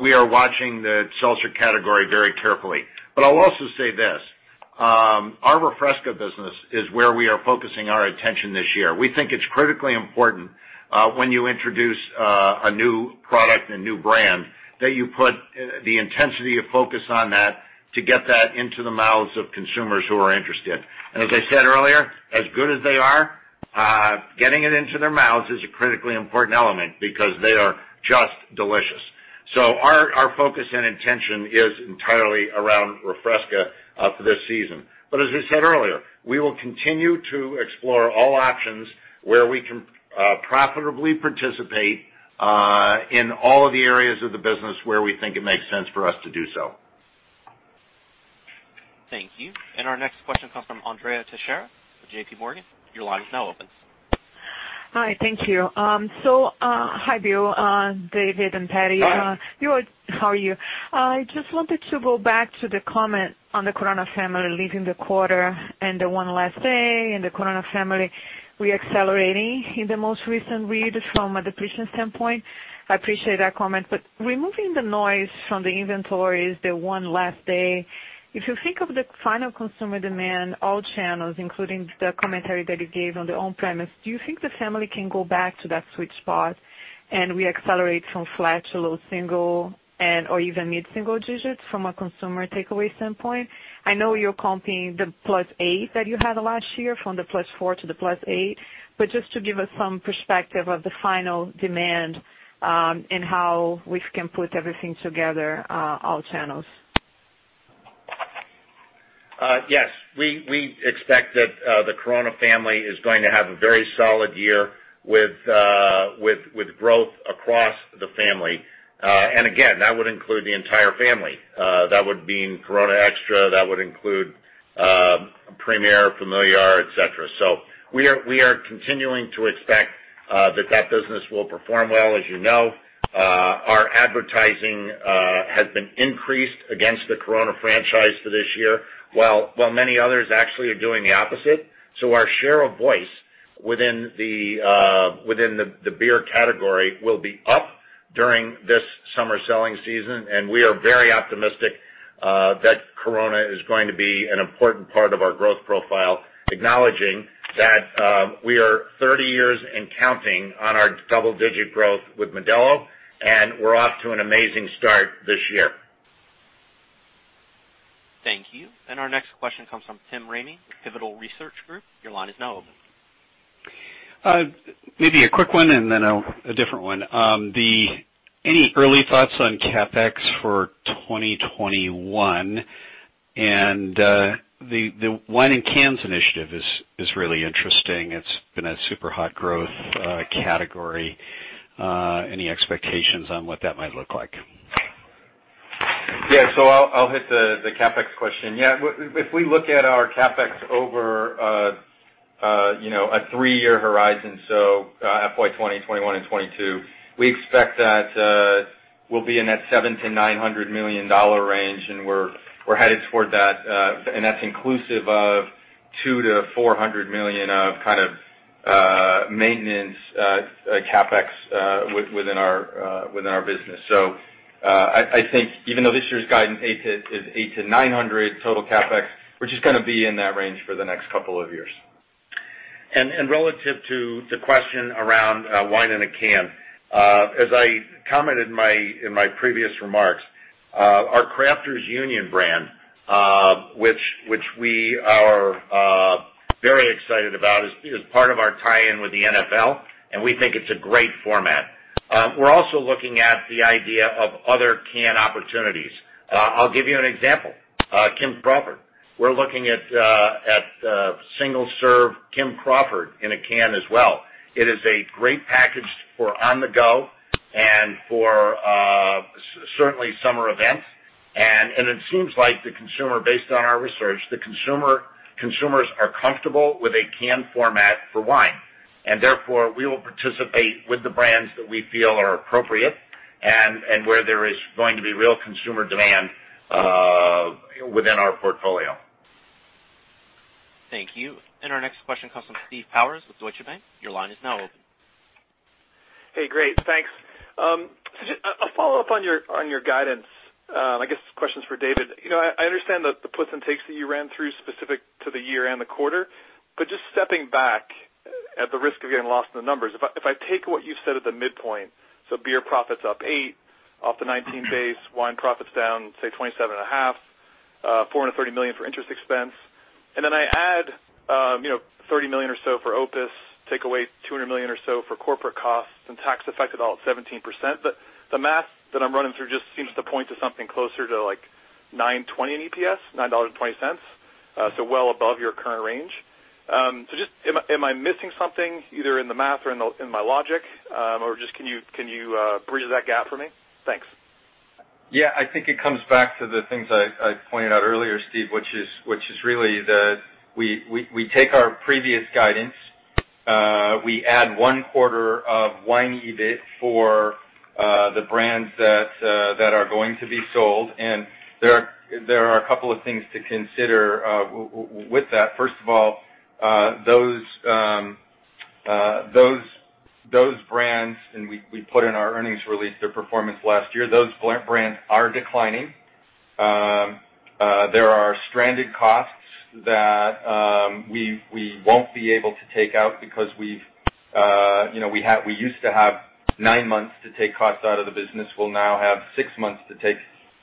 we are watching the seltzer category very carefully. I'll also say this. Our Refresca business is where we are focusing our attention this year. We think it's critically important when you introduce a new product and new brand, that you put the intensity of focus on that to get that into the mouths of consumers who are interested. As I said earlier, as good as they are, getting it into their mouths is a critically important element because they are just delicious. Our focus and intention is entirely around Refresca for this season. As we said earlier, we will continue to explore all options where we can profitably participate in all of the areas of the business where we think it makes sense for us to do so. Thank you. Our next question comes from Andrea Teixeira with JPMorgan. Your line is now open. Hi, thank you. Hi, Bill, David, and Patty. Hi. How are you? I just wanted to go back to the comment on the Corona family leaving the quarter and the one less day and the Corona family re-accelerating in the most recent read from a depletion standpoint. I appreciate that comment, removing the noise from the inventories, the one less day. If you think of the final consumer demand, all channels, including the commentary that you gave on the on-premise, do you think the family can go back to that sweet spot and re-accelerate from flat to low single or even mid-single digits from a consumer takeaway standpoint? I know you're comping the +8 that you had last year from the +4 to the +8, but just to give us some perspective of the final demand, and how we can put everything together, all channels. Yes. We expect that the Corona family is going to have a very solid year with growth across the family. Again, that would include the entire family. That would mean Corona Extra, that would include Premier, Familiar, et cetera. We are continuing to expect that business will perform well. As you know, our advertising has been increased against the Corona franchise for this year, while many others actually are doing the opposite. Our share of voice within the Beer category will be up during this summer selling season, and we are very optimistic that Corona is going to be an important part of our growth profile, acknowledging that we are 30 years and counting on our double-digit growth with Modelo, and we're off to an amazing start this year. Thank you. Our next question comes from Tim Ramey with Pivotal Research Group. Your line is now open. Maybe a quick one and then a different one. Any early thoughts on CapEx for 2021? The wine in cans initiative is really interesting. It's been a super hot growth category. Any expectations on what that might look like? Yeah. I'll hit the CapEx question. If we look at our CapEx over a three-year horizon, FY 2020, 2021, and 2022, we expect that we'll be in that $700 million-$900 million range, we're headed toward that. That's inclusive of $200 million-$400 million of kind of maintenance CapEx within our business. I think even though this year's guidance is $800 million-$900 million total CapEx, we're just going to be in that range for the next couple of years. Relative to the question around wine in a can, as I commented in my previous remarks, our Crafters Union brand, which we are very excited about, is part of our tie-in with the NFL, we think it's a great format. We're also looking at the idea of other can opportunities. I'll give you an example. Kim Crawford. We're looking at single-serve Kim Crawford in a can as well. It is a great package for on the go and for certainly summer events. It seems like based on our research, the consumers are comfortable with a can format for wine. Therefore, we will participate with the brands that we feel are appropriate, and where there is going to be real consumer demand within our portfolio. Thank you. Our next question comes from Steve Powers with Deutsche Bank. Your line is now open. Hey, great, thanks. A follow-up on your guidance. I guess this question's for David. I understand the puts and takes that you ran through specific to the year and the quarter, just stepping back, at the risk of getting lost in the numbers, if I take what you said at the midpoint, Beer profits up 8% after 19 days, wine profits down, say, 27.5%, $430 million for interest expense. Then I add $30 million or so for Opus, take away $200 million or so for corporate costs and tax effect of about 17%. The math that I'm running through just seems to point to something closer to like $9.20 in EPS, $9.20. Well above your current range. Just am I missing something, either in the math or in my logic? Just can you bridge that gap for me? Thanks. I think it comes back to the things I pointed out earlier, Steve, which is really that we take our previous guidance, we add one quarter of wine EBIT for the brands that are going to be sold. There are a couple of things to consider with that. First of all, those brands, and we put in our earnings release, their performance last year, those brands are declining. There are stranded costs that we won't be able to take out because we used to have nine months to take costs out of the business. We'll now have six months to take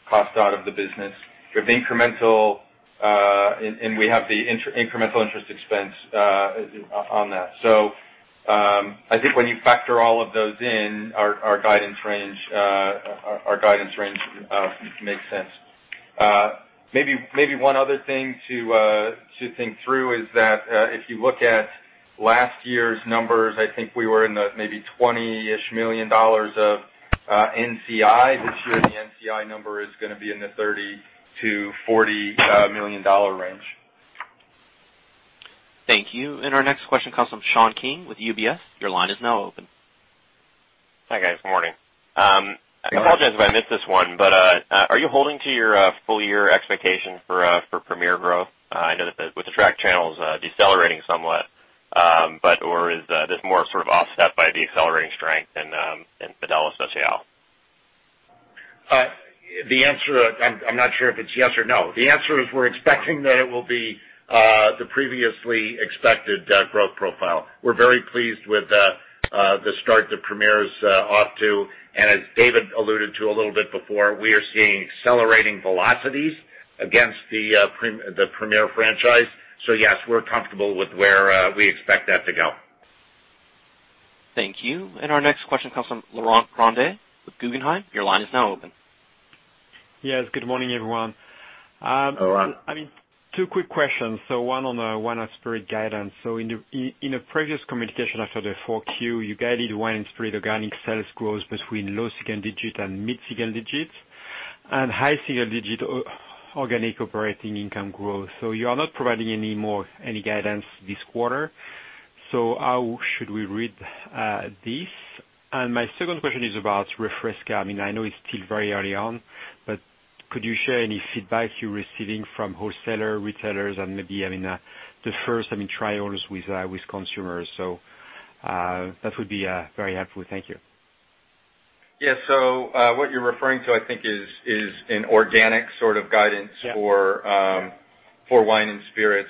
costs out of the business. We have the incremental interest expense on that. I think when you factor all of those in, our guidance range makes sense. Maybe one other thing to think through is that, if you look at last year's numbers, I think we were in the maybe $20 million-sh of NCI. This year, the NCI number is gonna be in the $30 million-$40 million range. Thank you. Our next question comes from Sean King with UBS. Your line is now open. Hi, guys. Good morning. Good morning. I apologize if I missed this one, are you holding to your full-year expectation for Premier growth? I know that with the track channels decelerating somewhat, or is this more sort of offset by decelerating strength in Modelo Especial? The answer, I'm not sure if it's yes or no. The answer is we're expecting that it will be the previously expected growth profile. We're very pleased with the start that Premier's off to, and as David alluded to a little bit before, we are seeing accelerating velocities against the Premier franchise. Yes, we're comfortable with where we expect that to go. Thank you. Our next question comes from Laurent Grandet with Guggenheim. Your line is now open. Yes. Good morning, everyone. Good morning. I mean, two quick questions. One on the Wine & Spirits guidance. In a previous communication after the Q4, you guided Wine & Spirits organic sales growth between low single-digit and mid-single-digit, and high single-digit organic operating income growth. You are not providing any guidance this quarter. How should we read this? My second question is about Refresca. I know it's still very early on, but could you share any feedback you're receiving from wholesalers, retailers, and maybe the first trials with consumers? That would be very helpful. Thank you. Yeah. What you're referring to, I think, is an organic sort of guidance for Wine & Spirits.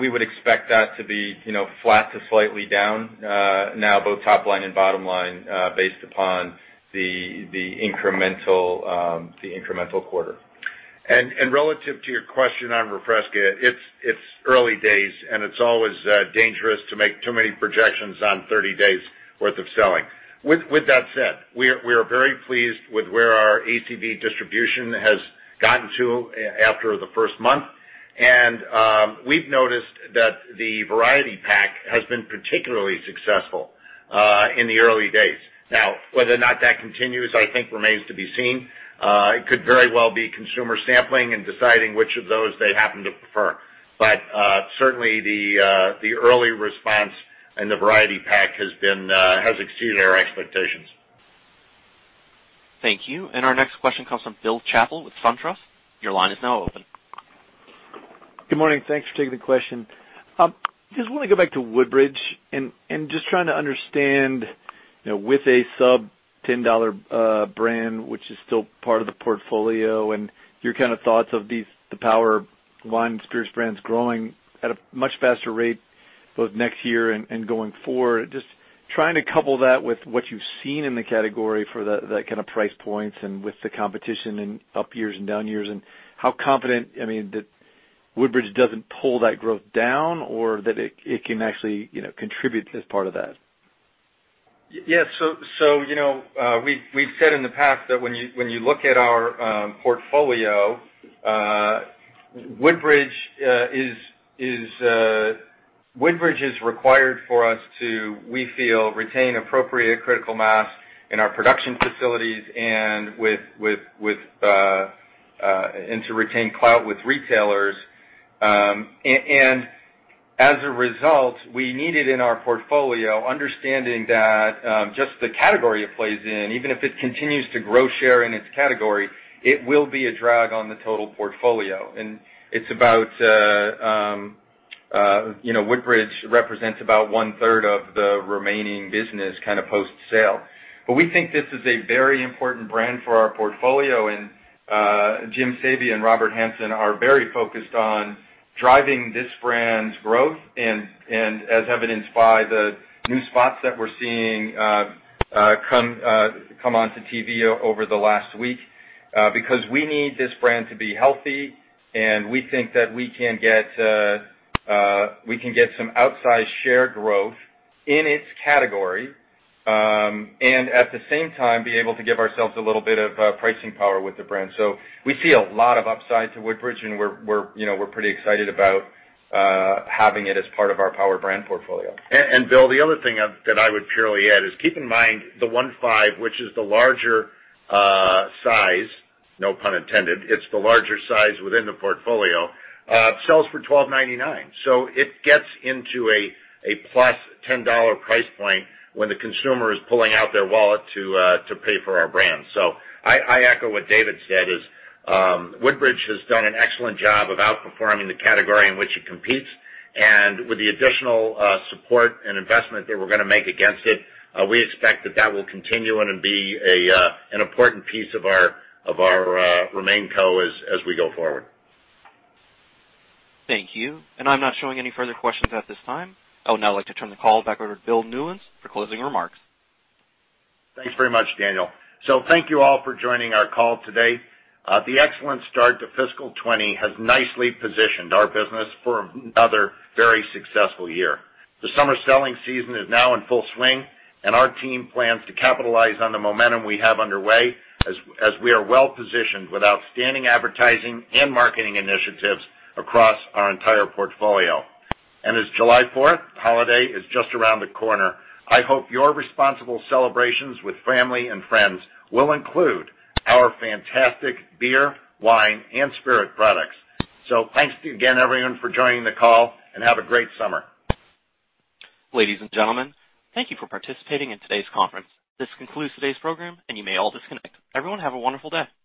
We would expect that to be flat to slightly down now, both top-line and bottom-line, based upon the incremental quarter. Relative to your question on Refresca, it's early days, and it's always dangerous to make too many projections on 30 days' worth of selling. With that said, we are very pleased with where our ACV distribution has gotten to after the first month. We've noticed that the variety pack has been particularly successful in the early days. Whether or not that continues, I think remains to be seen. It could very well be consumer sampling and deciding which of those they happen to prefer. Certainly, the early response in the variety pack has exceeded our expectations. Thank you. Our next question comes from Bill Chappell with SunTrust. Your line is now open. Good morning. Thanks for taking the question. Just want to go back to Woodbridge, just trying to understand with a sub $10 brand which is still part of the portfolio, your kind of thoughts of the power Wine & Spirits brands growing at a much faster rate both next years going forward. Just trying to couple that with what you've seen in the category for that kind of price points with the competition in up years down years, how confident, I mean, that Woodbridge doesn't pull that growth down or that it can actually contribute as part of that. Yeah. We've said in the past that when you look at our portfolio, Woodbridge is required for us to, we feel, retain appropriate critical mass in our production facilities and to retain clout with retailers. As a result, we need it in our portfolio, understanding that just the category it plays in, even if it continues to grow its share in its category, it will be a drag on the total portfolio. Woodbridge represents about 1/3 of the remaining business kind of post-sale. We think this is a very important brand for our portfolio, Jim Sabia and Robert Hanson are very focused on driving this brand's growth, as evidenced by the new spots that we're seeing come onto TV over the last week, because we need this brand to be healthy. We think that we can get some outsized share growth in its category. At the same time, be able to give ourselves a little bit of pricing power with the brand. We see a lot of upsides to Woodbridge, and we're pretty excited about having it as part of our power brand portfolio. Bill, the other thing that I would purely add is keep in mind the 1.5, which is the larger size, no pun intended, it's the larger size within the portfolio, sells for $12.99. It gets into a +$10 price point when the consumer is pulling out their wallet to pay for our brands. I echo what David said is, Woodbridge has done an excellent job of outperforming the category in which it competes. With the additional support and investment that we're going to make against it, we expect that that will continue and be an important piece of our remain co as we go forward. Thank you. I'm not showing any further questions at this time. I would now like to turn the call back over to Bill Newlands for closing remarks. Thanks very much, Daniel. Thank you all for joining our call today. The excellent start to fiscal 2020 has nicely positioned our business for another very successful year. The summer selling season is now in full swing, and our team plans to capitalize on the momentum we have underway, as we are well-positioned with outstanding advertising and marketing initiatives across our entire portfolio. As July 4th holiday is just around the corner, I hope your responsible celebrations with family and friends will include our fantastic Beer, Wine & Spirits products. Thanks again, everyone, for joining the call, and have a great summer. Ladies and gentlemen, thank you for participating in today's conference. This concludes today's program, and you may all disconnect. Everyone have a wonderful day.